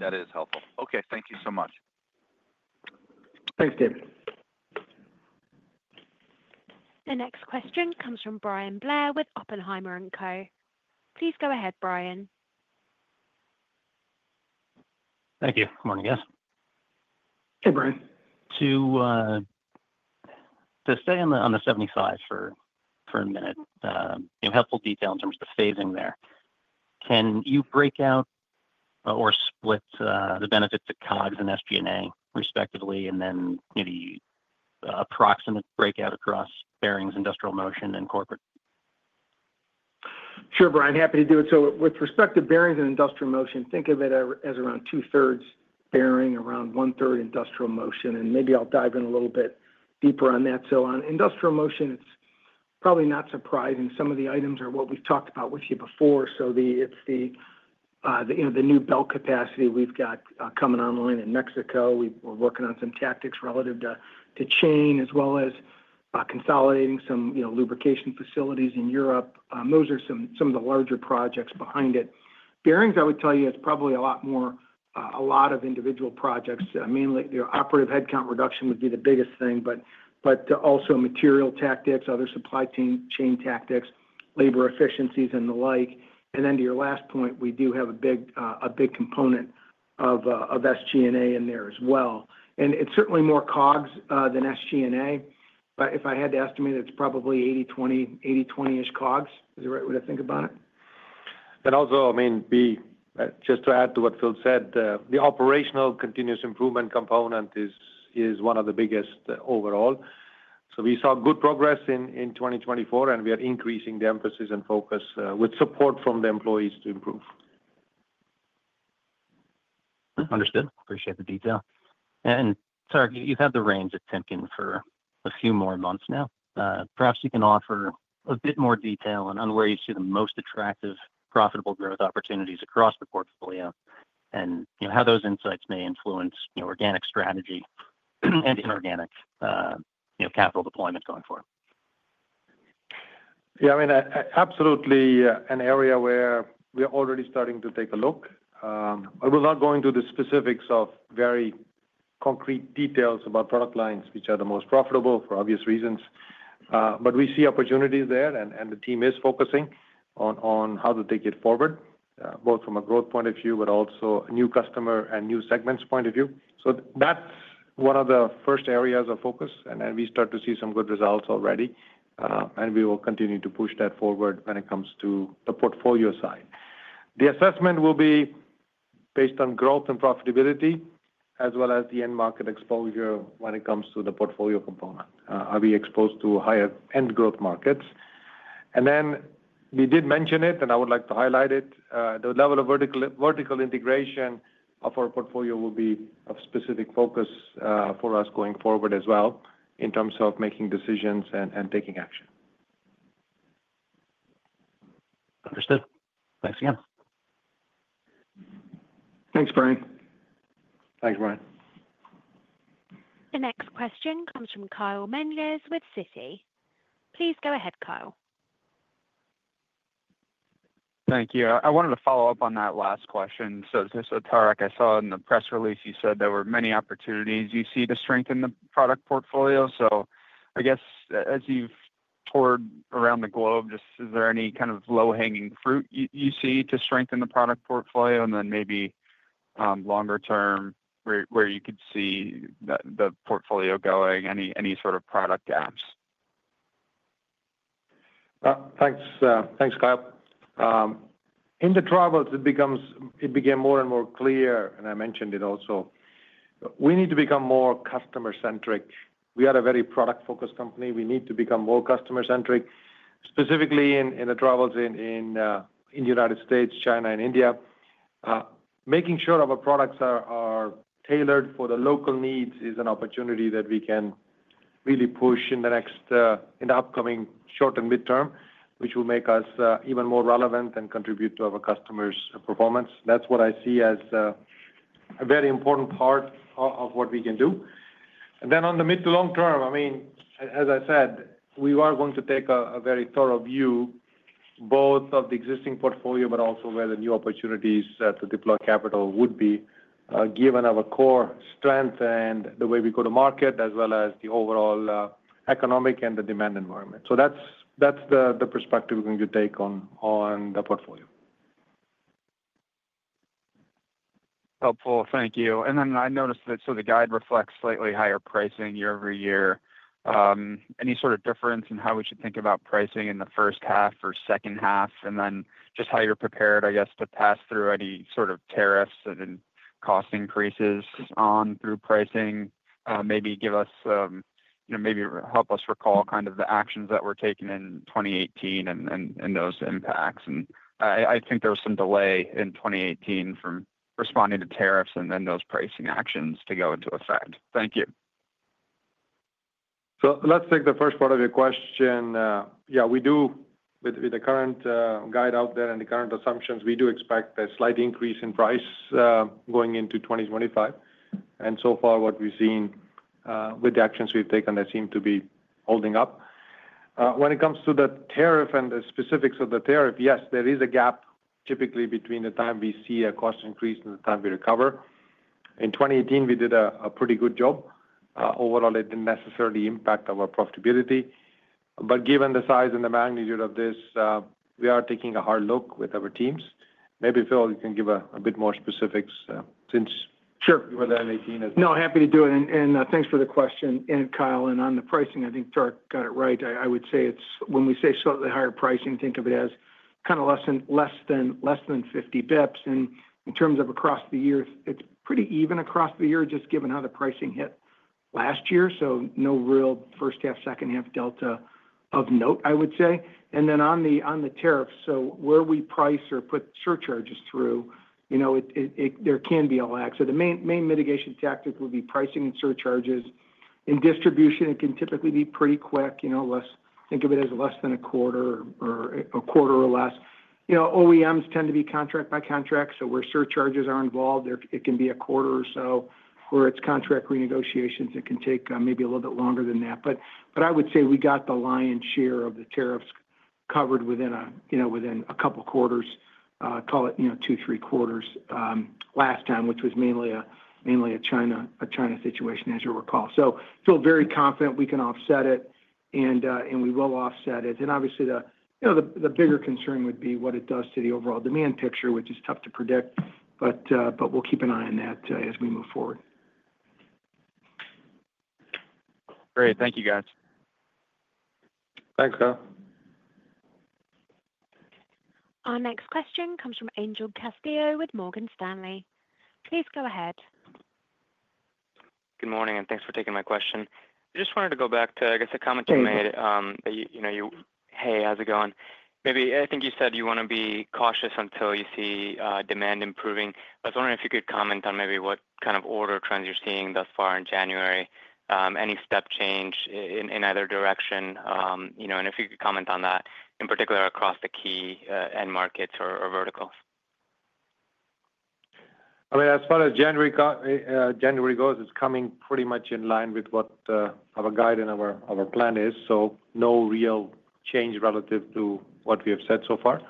That is helpful. Okay. Thank you so much. Thanks, David. The next question comes from Bryan Blair with Oppenheimer & Co. Please go ahead, Bryan. Thank you. Good morning, guys. Hey, Brian. To stay on the 75 for a minute, helpful detail in terms of the phasing there. Can you break out or split the benefits to COGS and SG&A respectively, and then maybe approximate breakout across bearings, industrial motion, and corporate? Sure, Brian. Happy to do it. So with respect to bearings and industrial motion, think of it as around two-thirds bearings, around one-third industrial motion. And maybe I'll dive in a little bit deeper on that. So on industrial motion, it's probably not surprising. Some of the items are what we've talked about with you before. So it's the new belt capacity we've got coming online in Mexico. We're working on some tactics relative to chain, as well as consolidating some lubrication facilities in Europe. Those are some of the larger projects behind it. Bearings, I would tell you, it's probably a lot more of individual projects. Mainly, the operative headcount reduction would be the biggest thing, but also material tactics, other supply chain tactics, labor efficiencies, and the like. And then to your last point, we do have a big component of SG&A in there as well. And it's certainly more COGS than SG&A, but if I had to estimate, it's probably 80/20-ish COGS is the right way to think about it. And also, I mean, just to add to what Phil said, the operational continuous improvement component is one of the biggest overall. So we saw good progress in 2024, and we are increasing the emphasis and focus with support from the employees to improve. Understood. Appreciate the detail. And Tarak, you've had the reins at Timken for a few more months now. Perhaps you can offer a bit more detail on where you see the most attractive, profitable growth opportunities across the portfolio and how those insights may influence organic strategy and inorganic capital deployment going forward. Yeah. I mean, absolutely, an area where we're already starting to take a look. I will not go into the specifics of very concrete details about product lines, which are the most profitable for obvious reasons, but we see opportunities there, and the team is focusing on how to take it forward, both from a growth point of view, but also a new customer and new segments point of view. So that's one of the first areas of focus, and we start to see some good results already, and we will continue to push that forward when it comes to the portfolio side. The assessment will be based on growth and profitability as well as the end market exposure when it comes to the portfolio component. Are we exposed to higher end growth markets? And then we did mention it, and I would like to highlight it. The level of vertical integration of our portfolio will be of specific focus for us going forward as well in terms of making decisions and taking action. Understood. Thanks again. Thanks, Brian. Thanks, Brian. The next question comes from Kyle Menges with Citi. Please go ahead, Kyle. Thank you. I wanted to follow up on that last question. So Tarak, I saw in the press release you said there were many opportunities you see to strengthen the product portfolio. So I guess as you've toured around the globe, just is there any kind of low-hanging fruit you see to strengthen the product portfolio? And then maybe longer term where you could see the portfolio going, any sort of product gaps? Thanks, Kyle. In the travels, it became more and more clear, and I mentioned it also, we need to become more customer-centric. We are a very product-focused company. We need to become more customer-centric, specifically in the travels in the United States, China, and India. Making sure our products are tailored for the local needs is an opportunity that we can really push in the upcoming short and midterm, which will make us even more relevant and contribute to our customers' performance. That's what I see as a very important part of what we can do, and then on the mid to long-term, I mean, as I said, we are going to take a very thorough view, both of the existing portfolio, but also where the new opportunities to deploy capital would be, given our core strength and the way we go to market, as well as the overall economic and the demand environment, so that's the perspective we're going to take on the portfolio. Helpful. Thank you, and then I noticed that, so the guide reflects slightly higher pricing year-over-year. Any sort of difference in how we should think about pricing in the first half or second half? And then just how you're prepared, I guess, to pass through any sort of tariffs and then cost increases on through pricing. Maybe give us help us recall kind of the actions that were taken in 2018 and those impacts. And I think there was some delay in 2018 from responding to tariffs and then those pricing actions to go into effect. Thank you. So let's take the first part of your question. Yeah, we do, with the current guide out there and the current assumptions, we do expect a slight increase in price going into 2025. And so far, what we've seen with the actions we've taken, they seem to be holding up. When it comes to the tariff and the specifics of the tariff, yes, there is a gap typically between the time we see a cost increase and the time we recover. In 2018, we did a pretty good job. Overall, it didn't necessarily impact our profitability, but given the size and the magnitude of this, we are taking a hard look with our teams. Maybe Phil, you can give a bit more specifics since you were there in 2018. No, happy to do it and thanks for the question, Kyle and on the pricing, I think Tarak got it right. I would say when we say slightly higher pricing, think of it as kind of less than 50 basis points and in terms of across the year, it's pretty even across the year, just given how the pricing hit last year so no real first half, second half delta of note, I would say and then on the tariffs, so where we price or put surcharges through, there can be a lag so the main mitigation tactic would be pricing and surcharges. In distribution, it can typically be pretty quick. Think of it as less than a quarter or a quarter or less. OEMs tend to be contract by contract, so where surcharges are involved, it can be a quarter or so. Where it's contract renegotiations, it can take maybe a little bit longer than that. But I would say we got the lion's share of the tariffs covered within a couple of quarters, call it two, three quarters last time, which was mainly a China situation, as you recall. So feel very confident we can offset it, and we will offset it. And obviously, the bigger concern would be what it does to the overall demand picture, which is tough to predict, but we'll keep an eye on that as we move forward. Great. Thank you, guys. Thanks, Kyle. Our next question comes from Angel Castillo with Morgan Stanley. Please go ahead. Good morning, and thanks for taking my question. I just wanted to go back to, I guess, a comment you made that you hey, how's it going? Maybe I think you said you want to be cautious until you see demand improving. I was wondering if you could comment on maybe what kind of order trends you're seeing thus far in January, any step change in either direction, and if you could comment on that, in particular across the key end markets or verticals. I mean, as far as January goes, it's coming pretty much in line with what our guide and our plan is. So no real change relative to what we have said so far.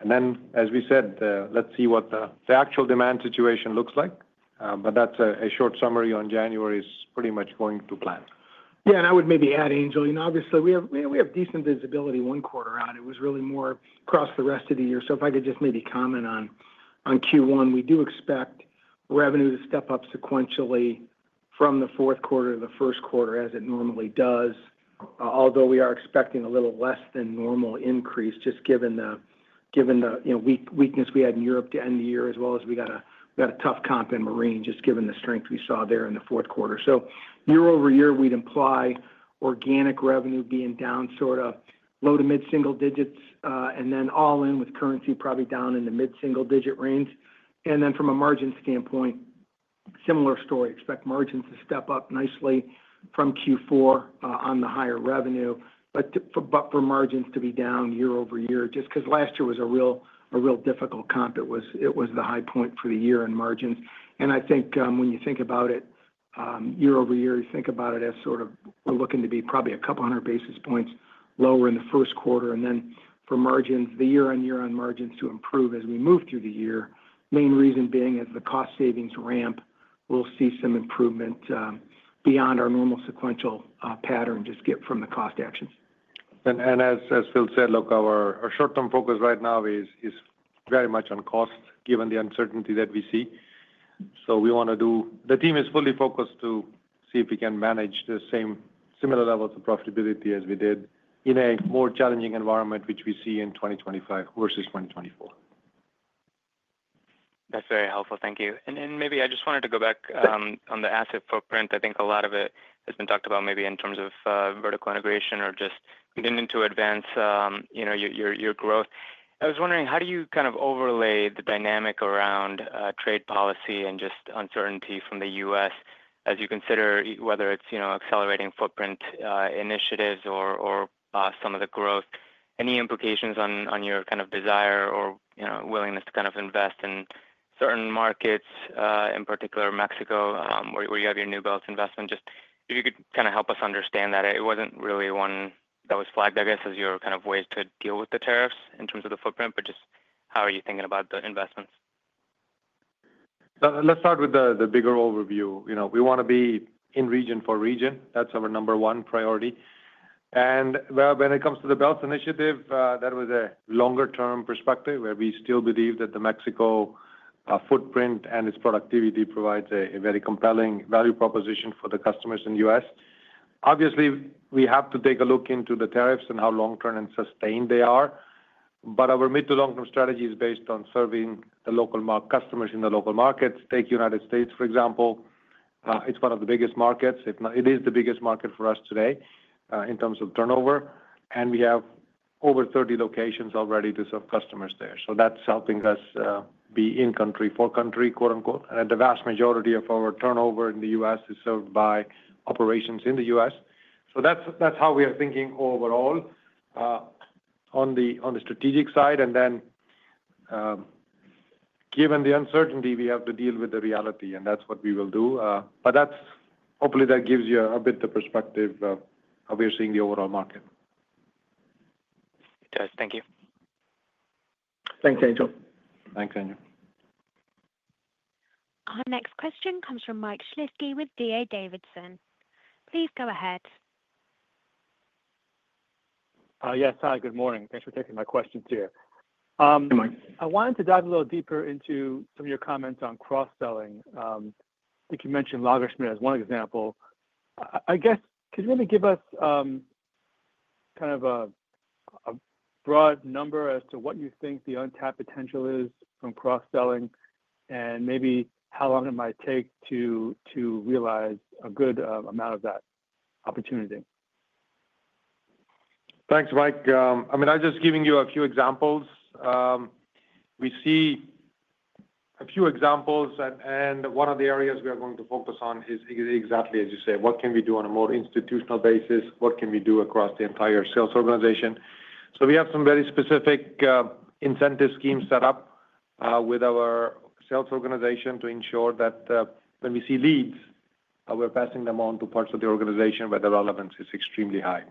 And then, as we said, let's see what the actual demand situation looks like. But that's a short summary on January is pretty much going to plan. Yeah. And I would maybe add, Angel, obviously, we have decent visibility one quarter out. It was really more across the rest of the year. So if I could just maybe comment on Q1, we do expect revenue to step up sequentially from the fourth quarter to the first quarter as it normally does, although we are expecting a little less than normal increase just given the weakness we had in Europe to end the year, as well as we got a tough comp in Marine just given the strength we saw there in the fourth quarter. So year-over-year, we'd imply organic revenue being down sort of low- to mid-single digits, and then all in with currency probably down in the mid-single digit range. And then from a margin standpoint, similar story. Expect margins to step up nicely from Q4 on the higher revenue, but for margins to be down year-over-year, just because last year was a real difficult comp. It was the high point for the year in margins. And I think when you think about it year-over-year, you think about it as sort of we're looking to be probably a couple hundred basis points lower in the first quarter. And then for margins, the year-on-year on margins to improve as we move through the year, main reason being as the cost savings ramp, we'll see some improvement beyond our normal sequential pattern just get from the cost actions. And as Phil said, look, our short-term focus right now is very much on cost, given the uncertainty that we see. So we want to do the team is fully focused to see if we can manage the same similar levels of profitability as we did in a more challenging environment, which we see in 2025 versus 2024. That's very helpful. Thank you. And maybe I just wanted to go back on the asset footprint. I think a lot of it has been talked about maybe in terms of vertical integration or just getting into advance your growth. I was wondering, how do you kind of overlay the dynamic around trade policy and just uncertainty from the U.S. as you consider whether it's accelerating footprint initiatives or some of the growth, any implications on your kind of desire or willingness to kind of invest in certain markets, in particular Mexico, where you have your new Belt investment? Just if you could kind of help us understand that. It wasn't really one that was flagged, I guess, as your kind of ways to deal with the tariffs in terms of the footprint, but just how are you thinking about the investments? Let's start with the bigger overview. We want to be in region for region. That's our number one priority. And when it comes to the Belts initiative, that was a longer-term perspective where we still believe that the Mexico footprint and its productivity provides a very compelling value proposition for the customers in the U.S. Obviously, we have to take a look into the tariffs and how long-term and sustained they are. But our mid to long-term strategy is based on serving the local customers in the local markets. Take the United States, for example. It's one of the biggest markets. It is the biggest market for us today in terms of turnover. And we have over 30 locations already to serve customers there. So that's helping us be in country for country, quote-unquote. And the vast majority of our turnover in the U.S. is served by operations in the U.S. So that's how we are thinking overall on the strategic side. And then given the uncertainty, we have to deal with the reality, and that's what we will do. But hopefully, that gives you a bit of perspective of how we're seeing the overall market. It does. Thank you. Thanks, Angel. Thanks, Angel. Our next question comes from Mike Shlisky with D.A. Davidson. Please go ahead. Yes. Hi. Good morning. Thanks for taking my questions here. I wanted to dive a little deeper into some of your comments on cross-selling. I think you mentioned Lagersmit as one example. I guess, could you maybe give us kind of a broad number as to what you think the untapped potential is from cross-selling, and maybe how long it might take to realize a good amount of that opportunity? Thanks, Mike. I mean, I'm just giving you a few examples. We see a few examples, and one of the areas we are going to focus on is exactly as you say, what can we do on a more institutional basis? What can we do across the entire sales organization? So we have some very specific incentive schemes set up with our sales organization to ensure that when we see leads, we're passing them on to parts of the organization where the relevance is extremely high.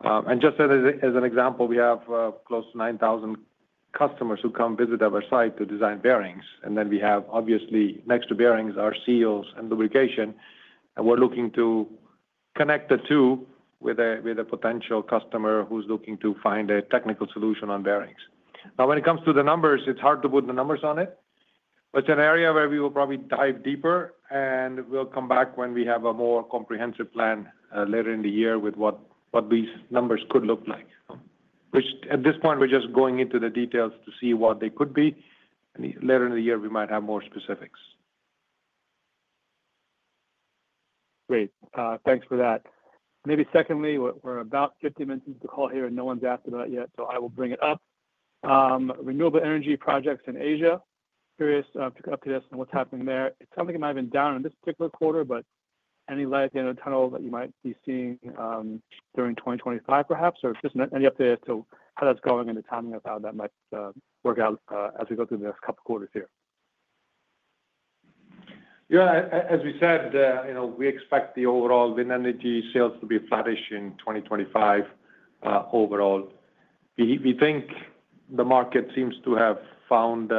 And just as an example, we have close to 9,000 customers who come visit our site to design bearings. And then we have, obviously, next to bearings, our seals and lubrication. And we're looking to connect the two with a potential customer who's looking to find a technical solution on bearings. Now, when it comes to the numbers, it's hard to put the numbers on it. But it's an area where we will probably dive deeper, and we'll come back when we have a more comprehensive plan later in the year with what these numbers could look like. At this point, we're just going into the details to see what they could be. And later in the year, we might have more specifics. Great. Thanks for that. Maybe secondly, we're about 50 minutes into the call here, and no one's asked about it yet, so I will bring it up. Renewable energy projects in Asia, curious to get up to this and what's happening there. It's something that might have been down in this particular quarter, but any light at the end of the tunnel that you might be seeing during 2025, perhaps? Or just any update as to how that's going and the timing of how that might work out as we go through the next couple of quarters here. Yeah. As we said, we expect the overall wind energy sales to be flourishing 2025 overall. We think the market seems to have found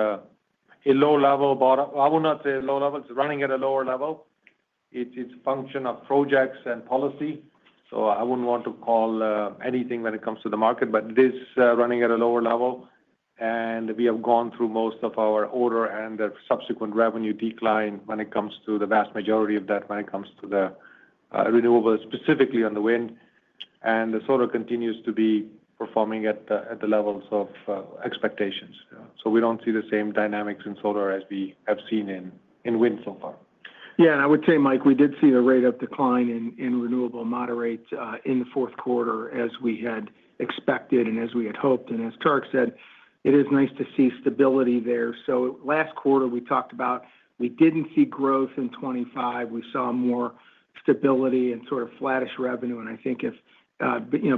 a low level of order. I will not say a low level, it's running at a lower level. It's a function of projects and policy. So I wouldn't want to call anything when it comes to the market, but it is running at a lower level. We have gone through most of our order and the subsequent revenue decline when it comes to the vast majority of that when it comes to the renewables, specifically on the wind, and the solar continues to be performing at the levels of expectations. We don't see the same dynamics in solar as we have seen in wind so far. Yeah. I would say, Mike, we did see a rate of decline in renewables moderate in the fourth quarter as we had expected and as we had hoped. As Tarak said, it is nice to see stability there. Last quarter, we talked about we didn't see growth in 2025. We saw more stability and sort of flattish revenue. I think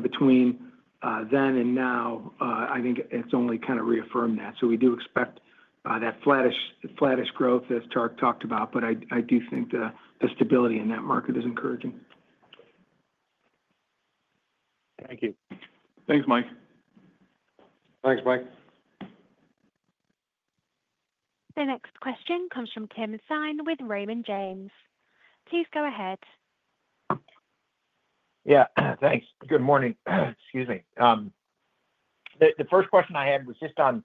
between then and now, I think it's only kind of reaffirmed that. We do expect that flattish growth as Tarak talked about, but I do think the stability in that market is encouraging. Thank you. Thanks, Mike. Thanks, Mike. The next question comes from Tim Thein with Raymond James. Please go ahead. Yeah. Thanks. Good morning. Excuse me. The first question I had was just on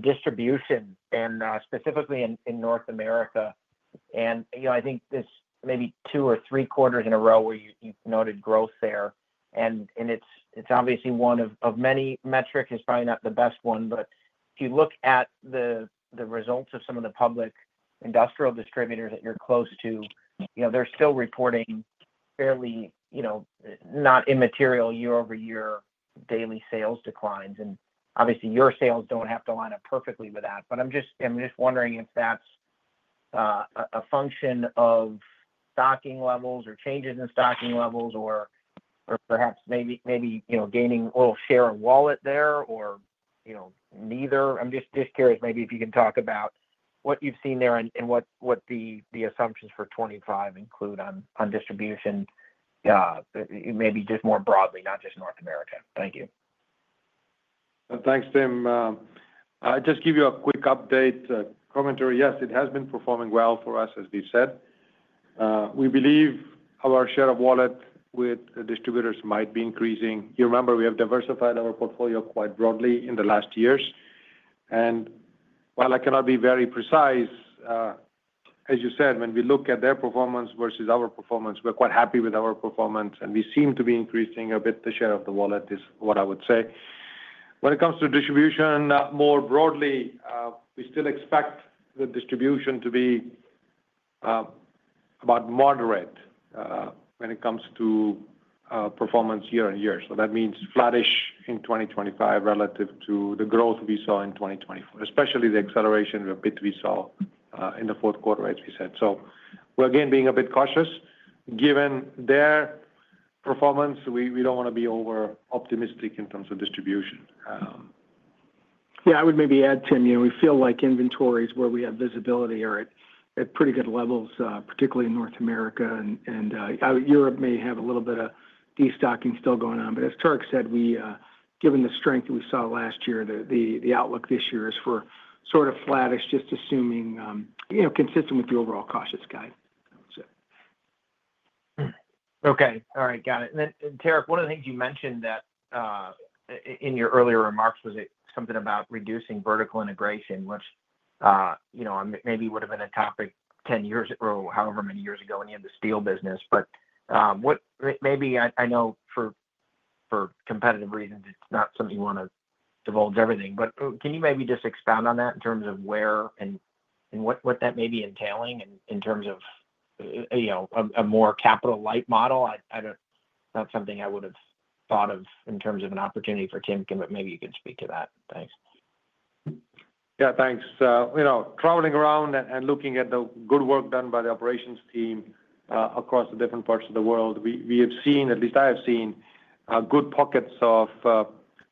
distribution, and specifically in North America. And I think this maybe two or three quarters in a row where you've noted growth there. And it's obviously one of many metrics is probably not the best one. But if you look at the results of some of the public industrial distributors that you're close to, they're still reporting fairly not immaterial year-over-year daily sales declines. And obviously, your sales don't have to line up perfectly with that. But I'm just wondering if that's a function of stocking levels or changes in stocking levels or perhaps maybe gaining a little share of wallet there or neither. I'm just curious, maybe if you can talk about what you've seen there and what the assumptions for 2025 include on distribution, maybe just more broadly, not just North America. Thank you. Thanks, Tim. Just give you a quick update commentary. Yes, it has been performing well for us, as we said. We believe our share of wallet with distributors might be increasing. You remember we have diversified our portfolio quite broadly in the last years. And while I cannot be very precise, as you said, when we look at their performance versus our performance, we're quite happy with our performance. And we seem to be increasing a bit the share of the wallet is what I would say. When it comes to distribution, more broadly, we still expect the distribution to be about moderate when it comes to performance year-on-year. So that means flattish in 2025 relative to the growth we saw in 2024, especially the acceleration of a bit we saw in the fourth quarter, as we said. So we're again being a bit cautious. Given their performance, we don't want to be over-optimistic in terms of distribution. Yeah. I would maybe add, Tim, we feel like inventories where we have visibility are at pretty good levels, particularly in North America. And Europe may have a little bit of destocking still going on. But as Tarak said, given the strength that we saw last year, the outlook this year is for sort of flattish, just assuming consistent with the overall cautious guide. Okay. All right. Got it. And Tarak, one of the things you mentioned in your earlier remarks was something about reducing vertical integration, which maybe would have been a topic 10 years or however many years ago in the steel business. But maybe I know for competitive reasons, it's not something you want to divulge everything. But can you maybe just expound on that in terms of where and what that may be entailing in terms of a more capital-light model? It's not something I would have thought of in terms of an opportunity for Timken, but maybe you could speak to that. Thanks. Yeah. Thanks. Traveling around and looking at the good work done by the operations team across the different parts of the world, we have seen, at least I have seen, good pockets of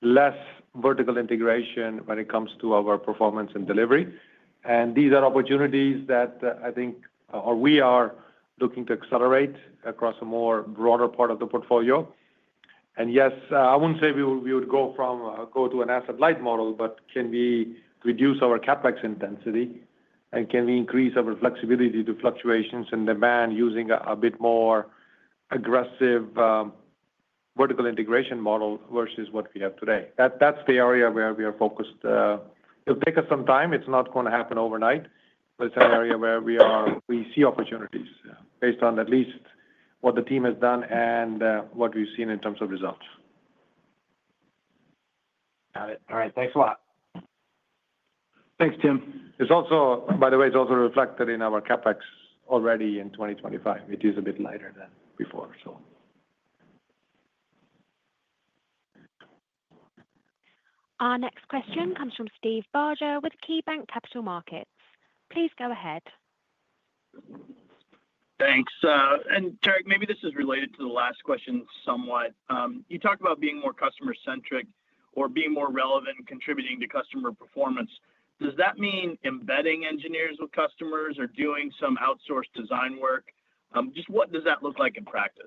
less vertical integration when it comes to our performance and delivery. These are opportunities that I think, or we are looking to accelerate across a more broader part of the portfolio. Yes, I wouldn't say we would go to an asset-light model, but can we reduce our CapEx intensity? Can we increase our flexibility to fluctuations and demand using a bit more aggressive vertical integration model versus what we have today? That's the area where we are focused. It'll take us some time. It's not going to happen overnight. It's an area where we see opportunities based on at least what the team has done and what we've seen in terms of results. Got it. All right. Thanks a lot. Thanks, Tim. By the way, it's also reflected in our CapEx already in 2025. It is a bit lighter than before, so. Our next question comes from Steve Barger with KeyBanc Capital Markets. Please go ahead. Thanks.And Tarak, maybe this is related to the last question somewhat. You talked about being more customer-centric or being more relevant in contributing to customer performance. Does that mean embedding engineers with customers or doing some outsourced design work? Just what does that look like in practice?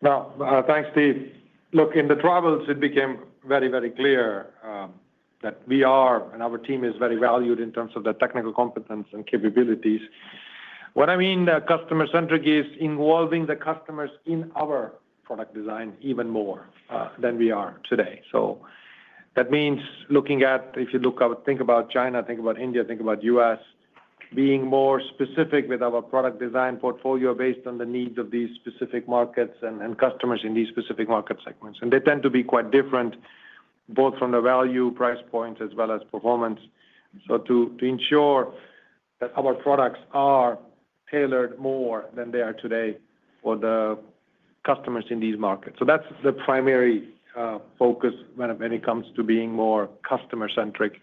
Well, thanks, Steve. Look, in the travels, it became very, very clear that we are and our team is very valued in terms of the technical competence and capabilities. What I mean by customer-centric is involving the customers in our product design even more than we are today. So that means looking at, if you think about China, think about India, think about the U.S., being more specific with our product design portfolio based on the needs of these specific markets and customers in these specific market segments. And they tend to be quite different both from the value, price points, as well as performance. So, to ensure that our products are tailored more than they are today for the customers in these markets. So that's the primary focus when it comes to being more customer-centric.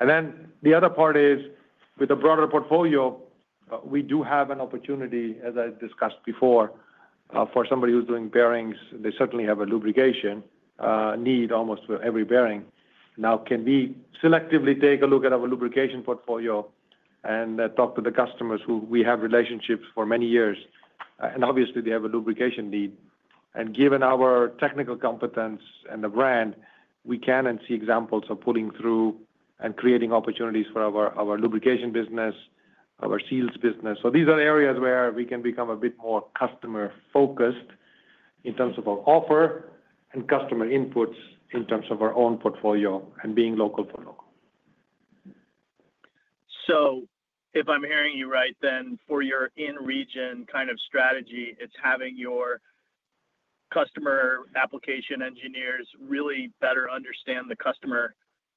And then the other part is with a broader portfolio, we do have an opportunity, as I discussed before, for somebody who's doing bearings. They certainly have a lubrication need almost for every bearing. Now, can we selectively take a look at our lubrication portfolio and talk to the customers who we have relationships for many years? And obviously, they have a lubrication need. And given our technical competence and the brand, we can, and see examples of pulling through and creating opportunities for our lubrication business, our seals business. So these are areas where we can become a bit more customer-focused in terms of our offer and customer inputs in terms of our own portfolio and being local for local. So if I'm hearing you right, then for your in-region kind of strategy, it's having your customer application engineers really better understand the customer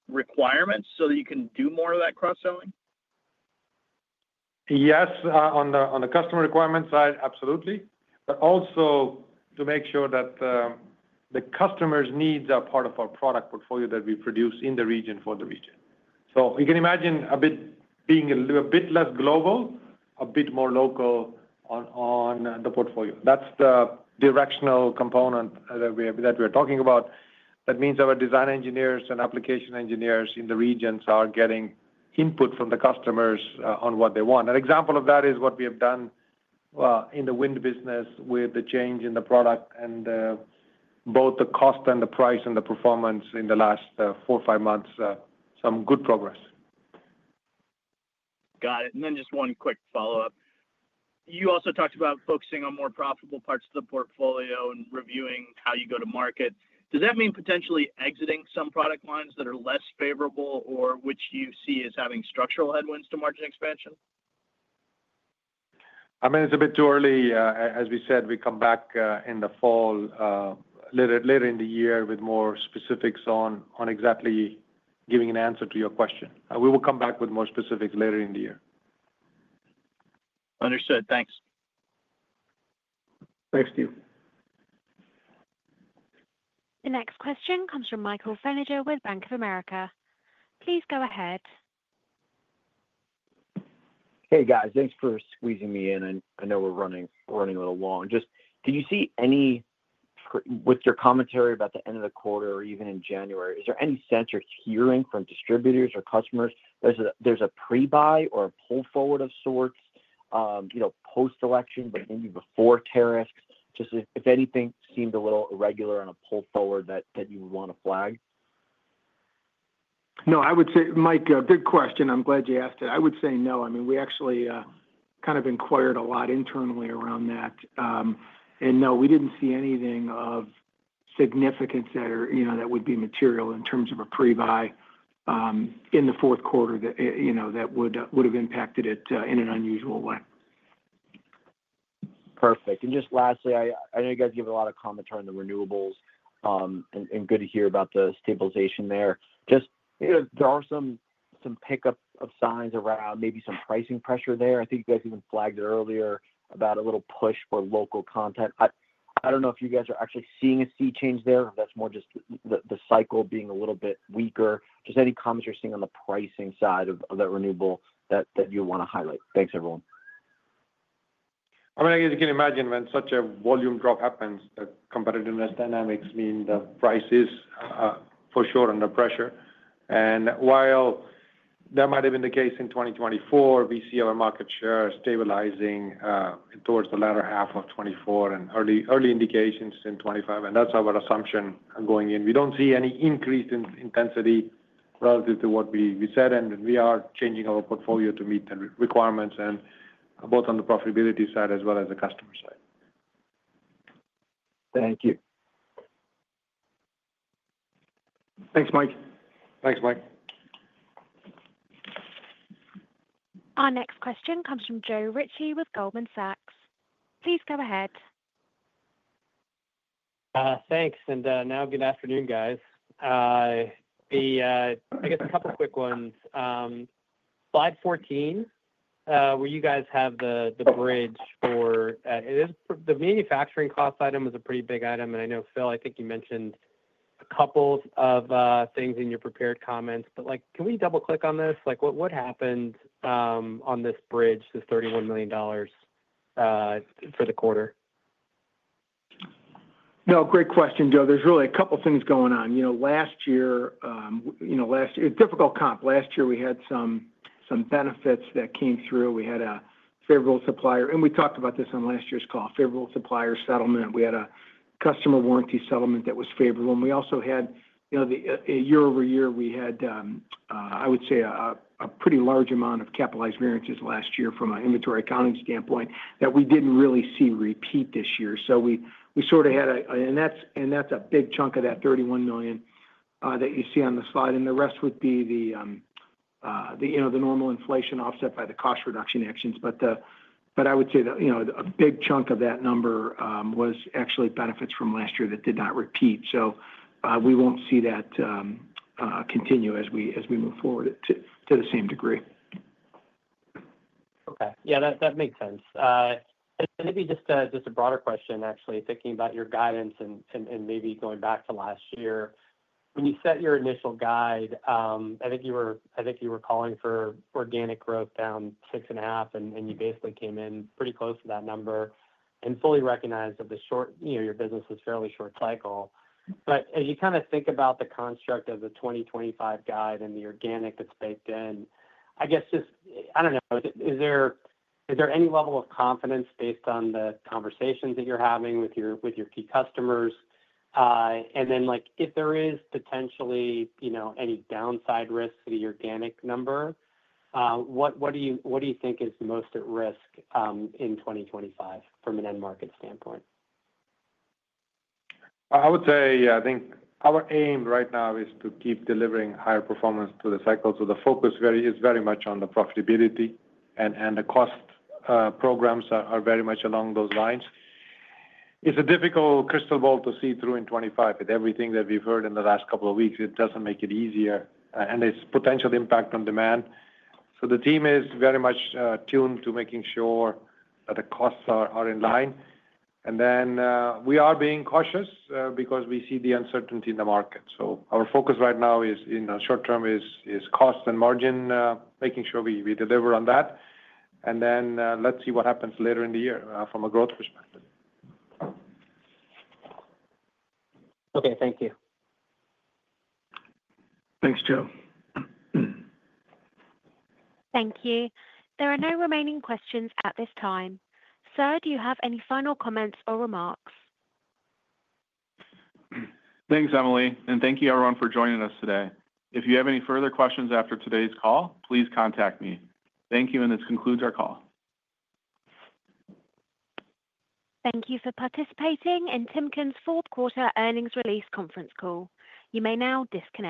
requirements so that you can do more of that cross-selling? Yes. On the customer requirement side, absolutely. But also to make sure that the customer's needs are part of our product portfolio that we produce in the region for the region. So you can imagine a bit being a bit less global, a bit more local on the portfolio. That's the directional component that we are talking about. That means our design engineers and application engineers in the regions are getting input from the customers on what they want. An example of that is what we have done in the wind business with the change in the product and both the cost and the price and the performance in the last four, five months. Some good progress. Got it. And then just one quick follow-up. You also talked about focusing on more profitable parts of the portfolio and reviewing how you go to market. Does that mean potentially exiting some product lines that are less favorable or which you see as having structural headwinds to margin expansion? I mean, it's a bit too early. As we said, we come back in the fall, later in the year with more specifics on exactly giving an answer to your question. We will come back with more specifics later in the year. Understood. Thanks. Thanks, Steve. The next question comes from Michael Feniger with Bank of America. Please go ahead. Hey, guys. Thanks for squeezing me in. I know we're running a little long. Just, can you see any with your commentary about the end of the quarter or even in January, is there any sense or hearing from distributors or customers? There's a pre-buy or a pull forward of sorts post-election, but maybe before tariffs. Just if anything seemed a little irregular on a pull forward that you would want to flag? No, I would say, Mike, good question. I'm glad you asked it. I would say no. I mean, we actually kind of inquired a lot internally around that. And no, we didn't see anything of significance that would be material in terms of a pre-buy in the fourth quarter that would have impacted it in an unusual way. Perfect. And just lastly, I know you guys give a lot of commentary on the renewables, and good to hear about the stabilization there. Just there are some pickup of signs around maybe some pricing pressure there. I think you guys even flagged it earlier about a little push for local content. I don't know if you guys are actually seeing a sea change there, or if that's more just the cycle being a little bit weaker. Just any comments you're seeing on the pricing side of that renewable that you want to highlight? Thanks, everyone. I mean, you can imagine when such a volume drop happens, competitiveness dynamics mean the prices for sure under pressure. And while that might have been the case in 2024, we see our market share stabilizing towards the latter half of 2024 and early indications in 2025. And that's our assumption going in. We don't see any increase in intensity relative to what we said, and we are changing our portfolio to meet the requirements both on the profitability side as well as the customer side. Thank you. Thanks, Mike. Thanks, Mike. Our next question comes from Joe Ritchie with Goldman Sachs. Please go ahead. Thanks. And now, good afternoon, guys. I guess a couple of quick ones. Slide 14, where you guys have the bridge for the manufacturing cost item was a pretty big item. And I know, Phil, I think you mentioned a couple of things in your prepared comments. But can we double-click on this? What happened on this bridge, this $31 million for the quarter? No, great question, Joe. There's really a couple of things going on. Last year, it's difficult comp. Last year, we had some benefits that came through. We had a favorable supplier. We talked about this on last year's call, favorable supplier settlement. We had a customer warranty settlement that was favorable. We also had a year-over-year, we had, I would say, a pretty large amount of capitalized variances last year from an inventory accounting standpoint that we didn't really see repeat this year. So we sort of had and that's a big chunk of that $31 million that you see on the slide. The rest would be the normal inflation offset by the cost reduction actions. But I would say that a big chunk of that number was actually benefits from last year that did not repeat. So we won't see that continue as we move forward to the same degree. Okay. Yeah, that makes sense. Maybe just a broader question, actually, thinking about your guidance and maybe going back to last year. When you set your initial guide, I think you were calling for organic growth down six and a half, and you basically came in pretty close to that number and fully recognized that your business was fairly short cycle. But as you kind of think about the construct of the 2025 guide and the organic that's baked in, I guess just—I don't know. Is there any level of confidence based on the conversations that you're having with your key customers? And then if there is potentially any downside risk to the organic number, what do you think is most at risk in 2025 from an end market standpoint? I would say, yeah, I think our aim right now is to keep delivering higher performance through the cycle. So the focus is very much on the profitability, and the cost programs are very much along those lines. It's a difficult crystal ball to see through in 2025. Everything that we've heard in the last couple of weeks, it doesn't make it easier, and its potential impact on demand. So the team is very much tuned to making sure that the costs are in line. And then we are being cautious because we see the uncertainty in the market. So our focus right now in the short term is cost and margin, making sure we deliver on that. And then let's see what happens later in the year from a growth perspective. Okay. Thank you. Thanks, Joe. Thank you. There are no remaining questions at this time. Sir, do you have any final comments or remarks? Thanks, Emily. And thank you, everyone, for joining us today. If you have any further questions after today's call, please contact me. Thank you, and this concludes our call. Thank you for participating in Timken's fourth quarter earnings release conference call. You may now disconnect.